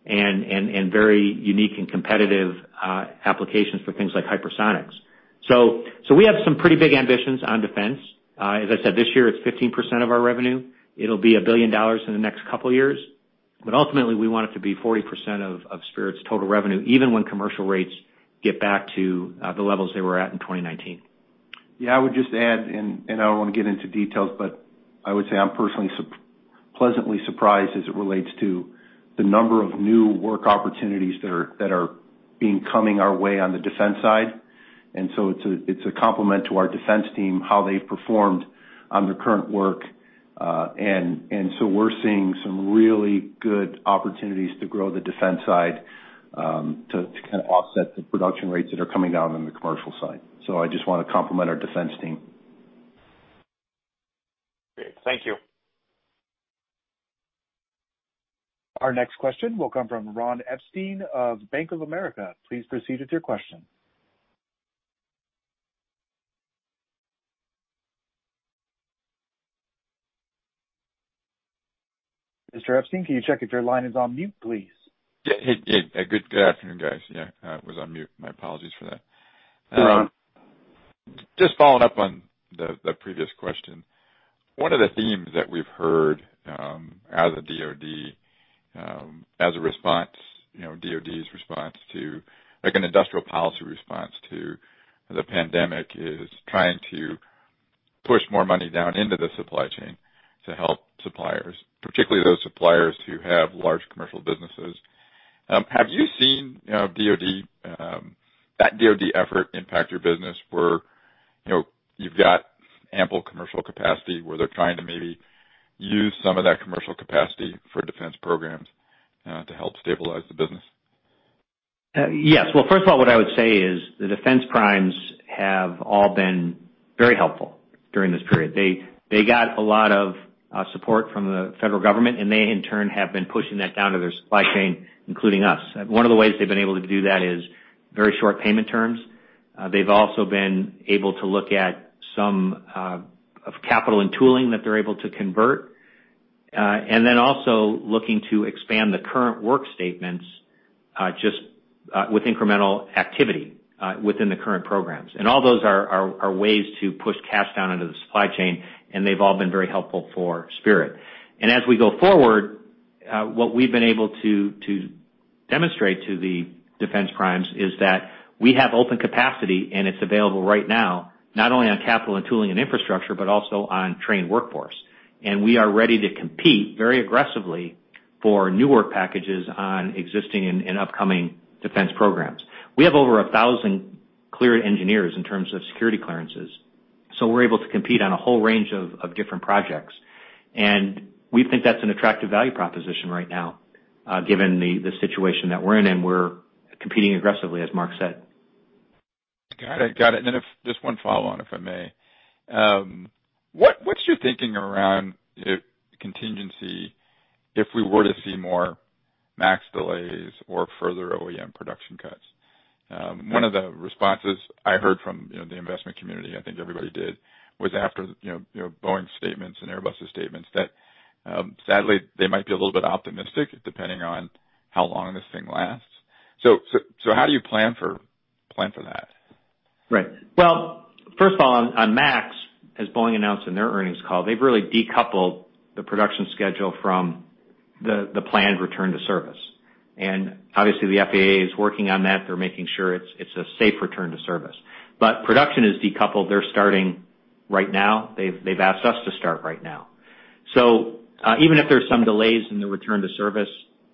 and very unique and competitive applications for things like hypersonics. So we have some pretty big ambitions on defense. As I said, this year, it's 15% of our revenue. It'll be $1 billion in the next couple of years, but ultimately, we want it to be 40% of, of Spirit's total revenue, even when commercial rates get back to the levels they were at in 2019. Yeah, I would just add, and I don't want to get into details, but I would say I'm personally pleasantly surprised as it relates to the number of new work opportunities that are coming our way on the defense side. And so it's a compliment to our defense team, how they've performed on their current work. And so we're seeing some really good opportunities to grow the defense side, to kind of offset the production rates that are coming down on the commercial side. So I just want to compliment our defense team. Great. Thank you. Our next question will come from Ron Epstein of Bank of America. Please proceed with your question. Mr. Epstein, can you check if your line is on mute, please? Yeah. Hey, hey, good afternoon, guys. Yeah, I was on mute. My apologies for that. Hey, Ron. Just following up on the, the previous question. One of the themes that we've heard out of the DOD, as a response, you know, DOD's response to like an industrial policy response to the pandemic, is trying to push more money down into the supply chain to help suppliers, particularly those suppliers who have large commercial businesses. Have you seen, you know, DOD, that DOD effort impact your business where, you know, you've got ample commercial capacity, where they're trying to maybe use some of that commercial capacity for defense programs to help stabilize the business? Yes. Well, first of all, what I would say is the defense primes have all been very helpful during this period. They, they got a lot of support from the federal government, and they, in turn, have been pushing that down to their supply chain, including us. One of the ways they've been able to do that is very short payment terms. They've also been able to look at some of capital and tooling that they're able to convert, and then also looking to expand the current work statements, just with incremental activity within the current programs. And all those are, are, are ways to push cash down into the supply chain, and they've all been very helpful for Spirit. As we go forward, what we've been able to demonstrate to the defense primes is that we have open capacity, and it's available right now, not only on capital and tooling and infrastructure, but also on trained workforce. We are ready to compete very aggressively for new work packages on existing and upcoming defense programs. We have over 1,000 cleared engineers in terms of security clearances, so we're able to compete on a whole range of different projects. We think that's an attractive value proposition right now, given the situation that we're in, and we're competing aggressively, as Mark said. Got it, got it. And then if—just one follow-on, if I may. What, what's your thinking around a contingency if we were to see more MAX delays or further OEM production cuts? One of the responses I heard from, you know, the investment community, I think everybody did, was after, you know, you know, Boeing's statements and Airbus' statements, that, sadly, they might be a little bit optimistic, depending on how long this thing lasts. So, so, so how do you plan for, plan for that? Right. Well, first of all, on MAX, as Boeing announced in their earnings call, they've really decoupled the production schedule from the planned return to service. Obviously, the FAA is working on that. They're making sure it's a safe return to service. But production is decoupled. They're starting right now. They've asked us to start right now. So, even if there's some delays in the return to service,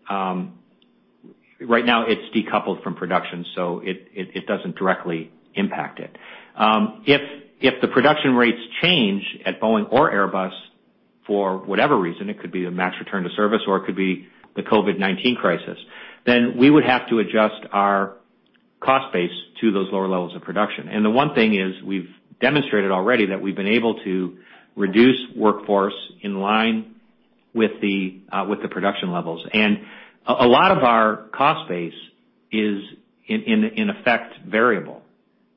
right now, it's decoupled from production, so it doesn't directly impact it. If the production rates change at Boeing or Airbus, for whatever reason, it could be the MAX return to service, or it could be the COVID-19 crisis, then we would have to adjust our cost base to those lower levels of production. And the one thing is, we've demonstrated already that we've been able to reduce workforce in line with the production levels. And a lot of our cost base is, in effect, variable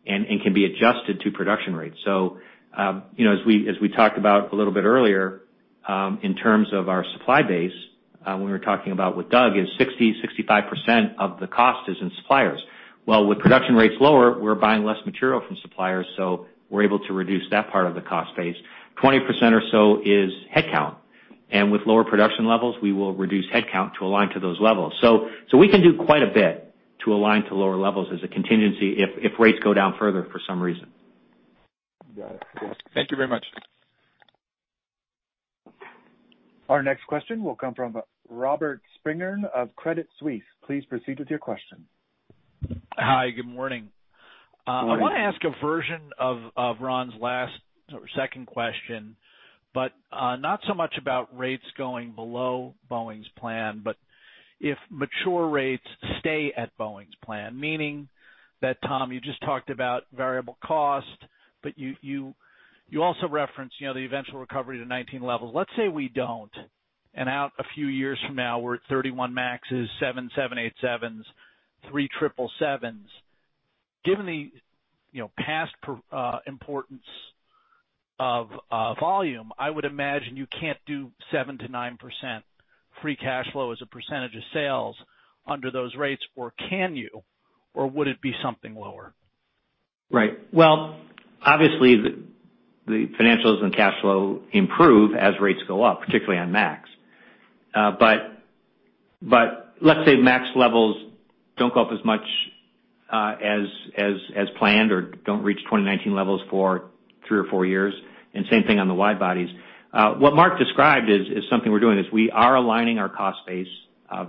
and can be adjusted to production rates. So, you know, as we talked about a little bit earlier, in terms of our supply base, when we were talking about with Doug, 65% of the cost is in suppliers. Well, with production rates lower, we're buying less material from suppliers, so we're able to reduce that part of the cost base. 20% or so is headcount, and with lower production levels, we will reduce headcount to align to those levels. So we can do quite a bit to align to lower levels as a contingency if rates go down further for some reason. Got it. Thank you very much. Our next question will come from Robert Spingarn of Credit Suisse. Please proceed with your question. Hi, good morning. Good morning. I wanna ask a version of Ron's last or second question, but not so much about rates going below Boeing's plan, but if mature rates stay at Boeing's plan, meaning that, Tom, you just talked about variable cost, but you also referenced, you know, the eventual recovery to 2019 levels. Let's say we don't, and out a few years from now, we're at 31 MAXes, 7 787s, 3 777s. Given the, you know, past importance of volume, I would imagine you can't do 7%-9% free cash flow as a percentage of sales under those rates, or can you, or would it be something lower? Right. Well, obviously, the financials and cash flow improve as rates go up, particularly on MAX. But let's say MAX levels don't go up as much, as planned or don't reach 2019 levels for three or four years, and same thing on the wide bodies. What Mark described is something we're doing. We are aligning our cost base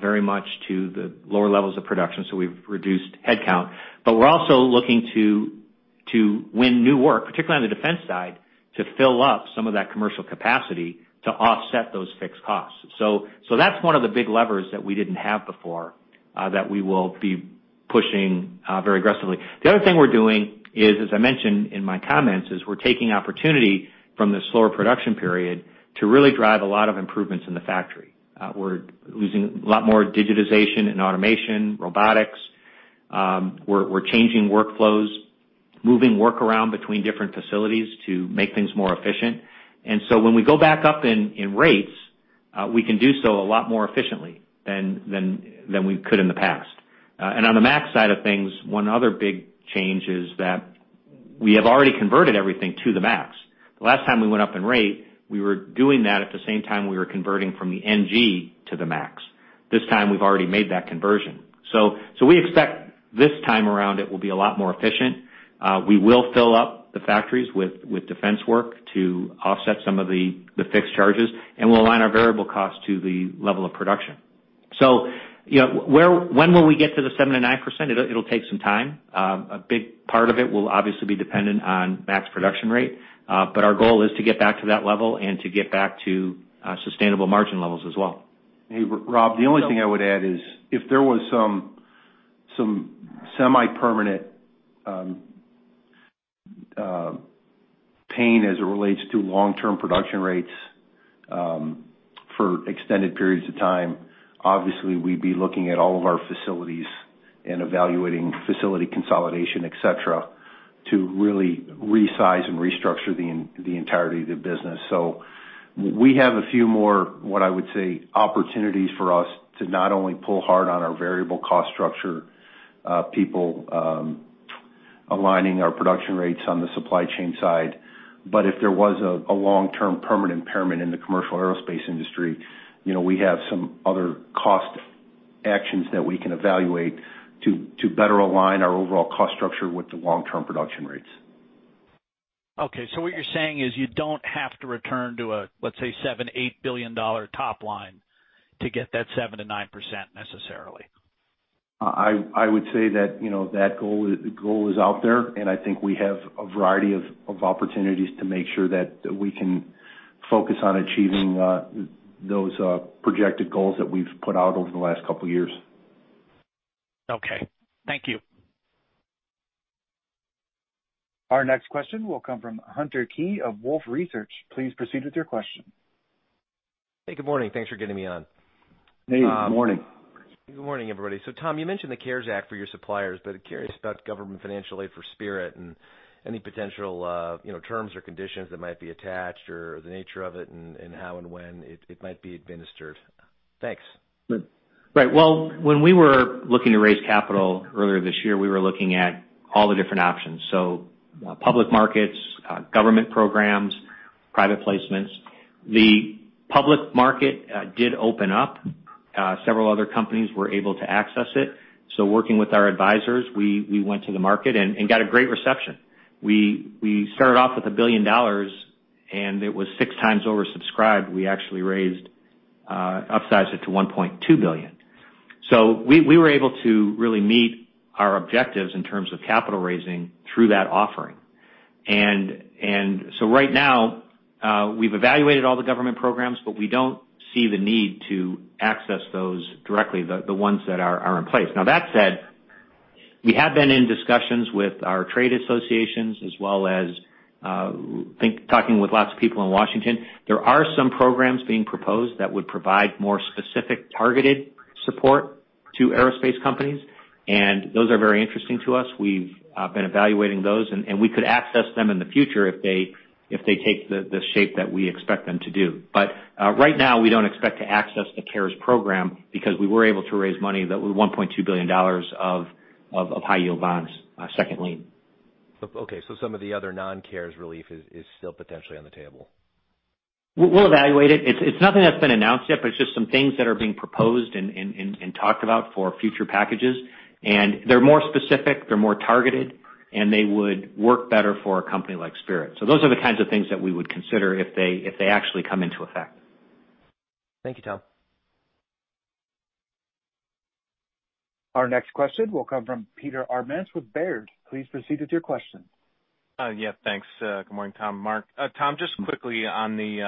very much to the lower levels of production, so we've reduced headcount. But we're also looking to win new work, particularly on the defense side, to fill up some of that commercial capacity to offset those fixed costs. So that's one of the big levers that we didn't have before, that we will be pushing very aggressively. The other thing we're doing is, as I mentioned in my comments, we're taking opportunity from this slower production period to really drive a lot of improvements in the factory. We're using a lot more digitization and automation, robotics. We're changing workflows, moving work around between different facilities to make things more efficient. And so when we go back up in rates, we can do so a lot more efficiently than we could in the past. And on the MAX side of things, one other big change is that we have already converted everything to the MAX. The last time we went up in rate, we were doing that at the same time we were converting from the NG to the MAX. This time, we've already made that conversion. So, we expect this time around, it will be a lot more efficient. We will fill up the factories with defense work to offset some of the fixed charges, and we'll align our variable costs to the level of production. So, you know, when will we get to the 7%-9%? It'll take some time. A big part of it will obviously be dependent on MAX production rate, but our goal is to get back to that level and to get back to sustainable margin levels as well. Hey, Rob, the only thing I would add is, if there was some semi-permanent pain as it relates to long-term production rates for extended periods of time, obviously, we'd be looking at all of our facilities and evaluating facility consolidation, et cetera, to really resize and restructure the entirety of the business. So we have a few more, what I would say, opportunities for us to not only pull hard on our variable cost structure, people, aligning our production rates on the supply chain side. But if there was a long-term permanent impairment in the commercial aerospace industry, you know, we have some other cost actions that we can evaluate to better align our overall cost structure with the long-term production rates. Okay, so what you're saying is you don't have to return to a, let's say, $7 billion-$8 billion top line to get that 7%-9% necessarily? I would say that, you know, that goal, the goal is out there, and I think we have a variety of opportunities to make sure that we can focus on achieving those projected goals that we've put out over the last couple years. Okay, thank you. Our next question will come from Hunter Keay of Wolfe Research. Please proceed with your question. Hey, good morning. Thanks for getting me on. Hey, good morning. Good morning, everybody. So Tom, you mentioned the CARES Act for your suppliers, but I'm curious about government financial aid for Spirit and any potential, you know, terms or conditions that might be attached or the nature of it and how and when it might be administered. Thanks. Right. Well, when we were looking to raise capital earlier this year, we were looking at all the different options, so public markets, government programs, private placements. The public market did open up. Several other companies were able to access it. So working with our advisors, we went to the market and got a great reception. We started off with $1 billion, and it was six times oversubscribed. We actually raised, upsized it to $1.2 billion. So we were able to really meet our objectives in terms of capital raising through that offering. And so right now, we've evaluated all the government programs, but we don't see the need to access those directly, the ones that are in place. Now, that said, we have been in discussions with our trade associations as well as talking with lots of people in Washington. There are some programs being proposed that would provide more specific, targeted support to aerospace companies, and those are very interesting to us. We've been evaluating those, and we could access them in the future if they take the shape that we expect them to do. But right now, we don't expect to access the CARES program because we were able to raise money that was $1.2 billion of high-yield bonds, second lien. Okay, so some of the other non-CARES relief is still potentially on the table? We'll evaluate it. It's nothing that's been announced yet, but it's just some things that are being proposed and talked about for future packages. And they're more specific, they're more targeted, and they would work better for a company like Spirit. So those are the kinds of things that we would consider if they actually come into effect. Thank you, Tom. Our next question will come from Peter Arment with Baird. Please proceed with your question. Yeah, thanks. Good morning, Tom, Mark. Tom, just quickly on the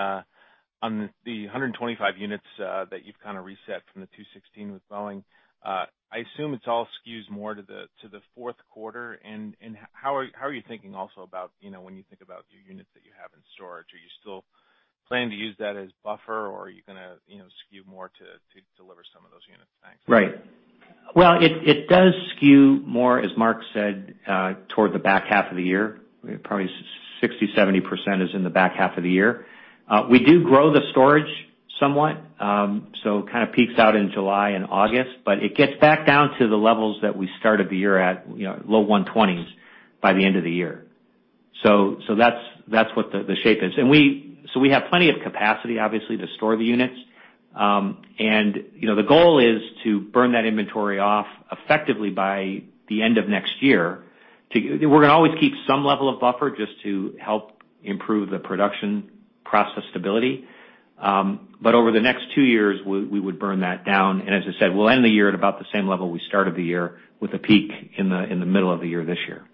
125 units that you've kind of reset from the 216 with Boeing, I assume it's all skews more to the fourth quarter. And how are you thinking also about, you know, when you think about your units that you have in storage? Are you still planning to use that as buffer, or are you gonna, you know, skew more to deliver some of those units? Thanks. Right. Well, it does skew more, as Mark said, toward the back half of the year. Probably 60%-70% is in the back half of the year. We do grow the storage somewhat, so kind of peaks out in July and August, but it gets back down to the levels that we started the year at, you know, low 120s by the end of the year. So that's what the shape is. And so we have plenty of capacity, obviously, to store the units. And, you know, the goal is to burn that inventory off effectively by the end of next year. We're gonna always keep some level of buffer just to help improve the production process stability. But over the next two years, we would burn that down, and as I said, we'll end the year at about the same level we started the year, with a peak in the middle of the year this year.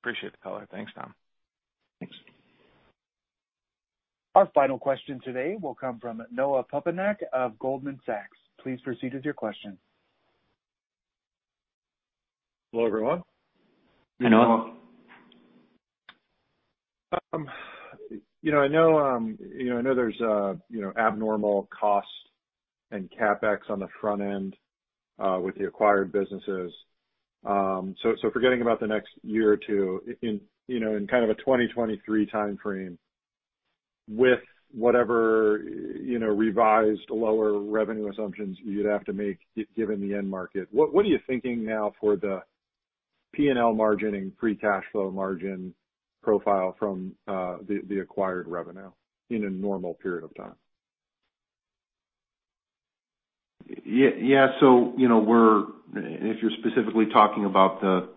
Appreciate the color. Thanks, Tom. Thanks. Our final question today will come from Noah Poponak of Goldman Sachs. Please proceed with your question. Hello, everyone. Hey, Noah. You know, I know there's, you know, abnormal cost and CapEx on the front end with the acquired businesses. So, so forgetting about the next year or two, in, you know, in kind of a 2023 time frame, with whatever, you know, revised lower revenue assumptions you'd have to make given the end market, what, what are you thinking now for the P&L margin and Free Cash Flow margin profile from, the, the acquired revenue in a normal period of time? Yeah, yeah. So, you know, we're -- if you're specifically talking about the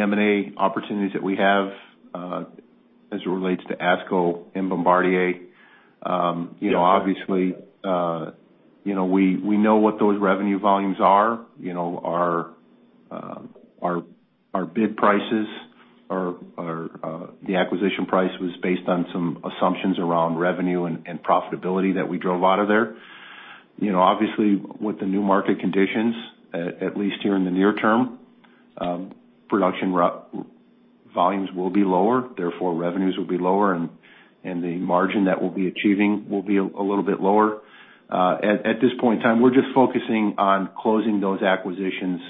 M&A opportunities that we have, as it relates to Asco and Bombardier, you know, obviously, you know, we know what those revenue volumes are. You know, our bid prices are, the acquisition price was based on some assumptions around revenue and profitability that we drove out of there.... You know, obviously, with the new market conditions, at least here in the near term, production volumes will be lower, therefore revenues will be lower, and the margin that we'll be achieving will be a little bit lower. At this point in time, we're just focusing on closing those acquisitions.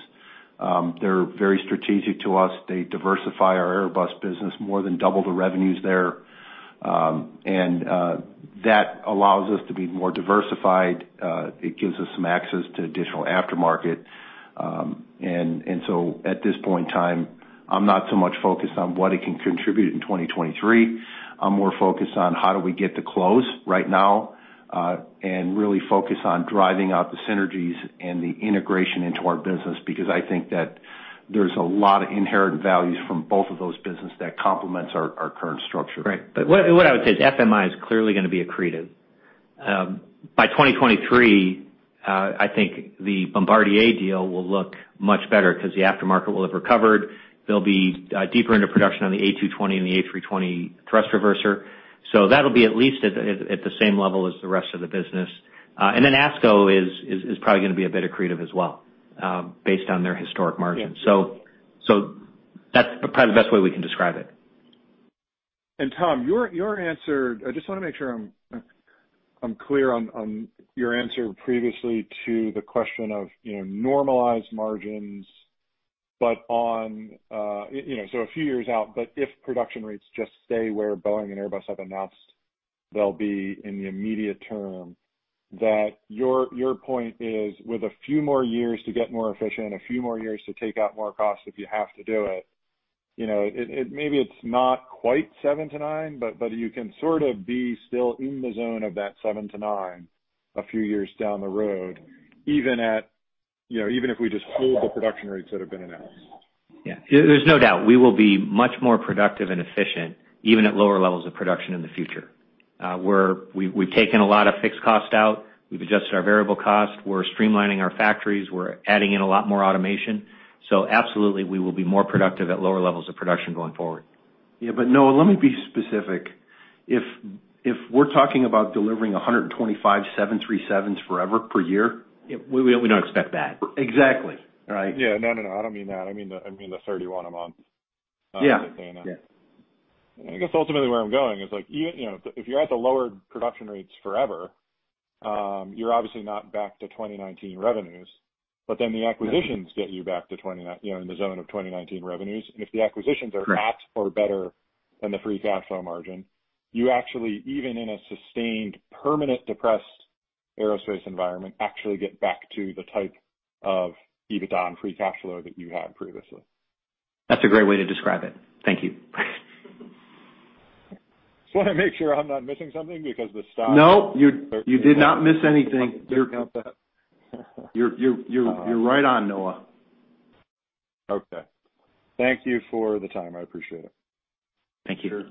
They're very strategic to us. They diversify our Airbus business, more than double the revenues there. That allows us to be more diversified. It gives us some access to additional aftermarket. And so at this point in time, I'm not so much focused on what it can contribute in 2023. I'm more focused on how do we get to close right now, and really focus on driving out the synergies and the integration into our business, because I think that there's a lot of inherent values from both of those business that complements our current structure. Right. But what I would say is FMI is clearly gonna be accretive. By 2023, I think the Bombardier deal will look much better because the aftermarket will have recovered. They'll be deeper into production on the A220 and the A320 thrust reverser. So that'll be at least at the same level as the rest of the business. And then Asco is probably gonna be a bit accretive as well, based on their historic margins. Yeah. So, that's probably the best way we can describe it. And Tom, your answer—I just want to make sure I'm clear on your answer previously to the question of, you know, normalized margins, but on... You know, so a few years out, but if production rates just stay where Boeing and Airbus have announced they'll be in the immediate term, that your point is, with a few more years to get more efficient and a few more years to take out more costs if you have to do it, you know, it maybe it's not quite 7-9, but you can sort of be still in the zone of that 7-9 a few years down the road, even at, you know, even if we just hold the production rates that have been announced. Yeah. There's no doubt we will be much more productive and efficient, even at lower levels of production in the future. We've taken a lot of fixed cost out, we've adjusted our variable cost, we're streamlining our factories, we're adding in a lot more automation. So absolutely, we will be more productive at lower levels of production going forward. Yeah, but Noah, let me be specific. If we're talking about delivering 125 737s forever per year- Yeah, we don't expect that. Exactly. All right. Yeah. No, no, no, I don't mean that. I mean the, I mean the 31 a month. Yeah. I was saying that. Yeah. I guess ultimately where I'm going is like, even, you know, if you're at the lower production rates forever, you're obviously not back to 2019 revenues, but then the acquisitions get you back to 2019, you know, in the zone of 2019 revenues. And if the acquisitions are at or better than the free cash flow margin, you actually, even in a sustained, permanent, depressed aerospace environment, actually get back to the type of EBITDA and free cash flow that you had previously. That's a great way to describe it. Thank you. Just wanna make sure I'm not missing something because the stock- No, you did not miss anything. You're right on, Noah. Okay. Thank you for the time. I appreciate it. Thank you.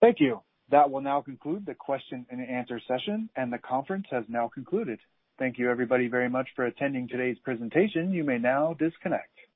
Thank you. That will now conclude the question and answer session, and the conference has now concluded. Thank you everybody, very much for attending today's presentation. You may now disconnect.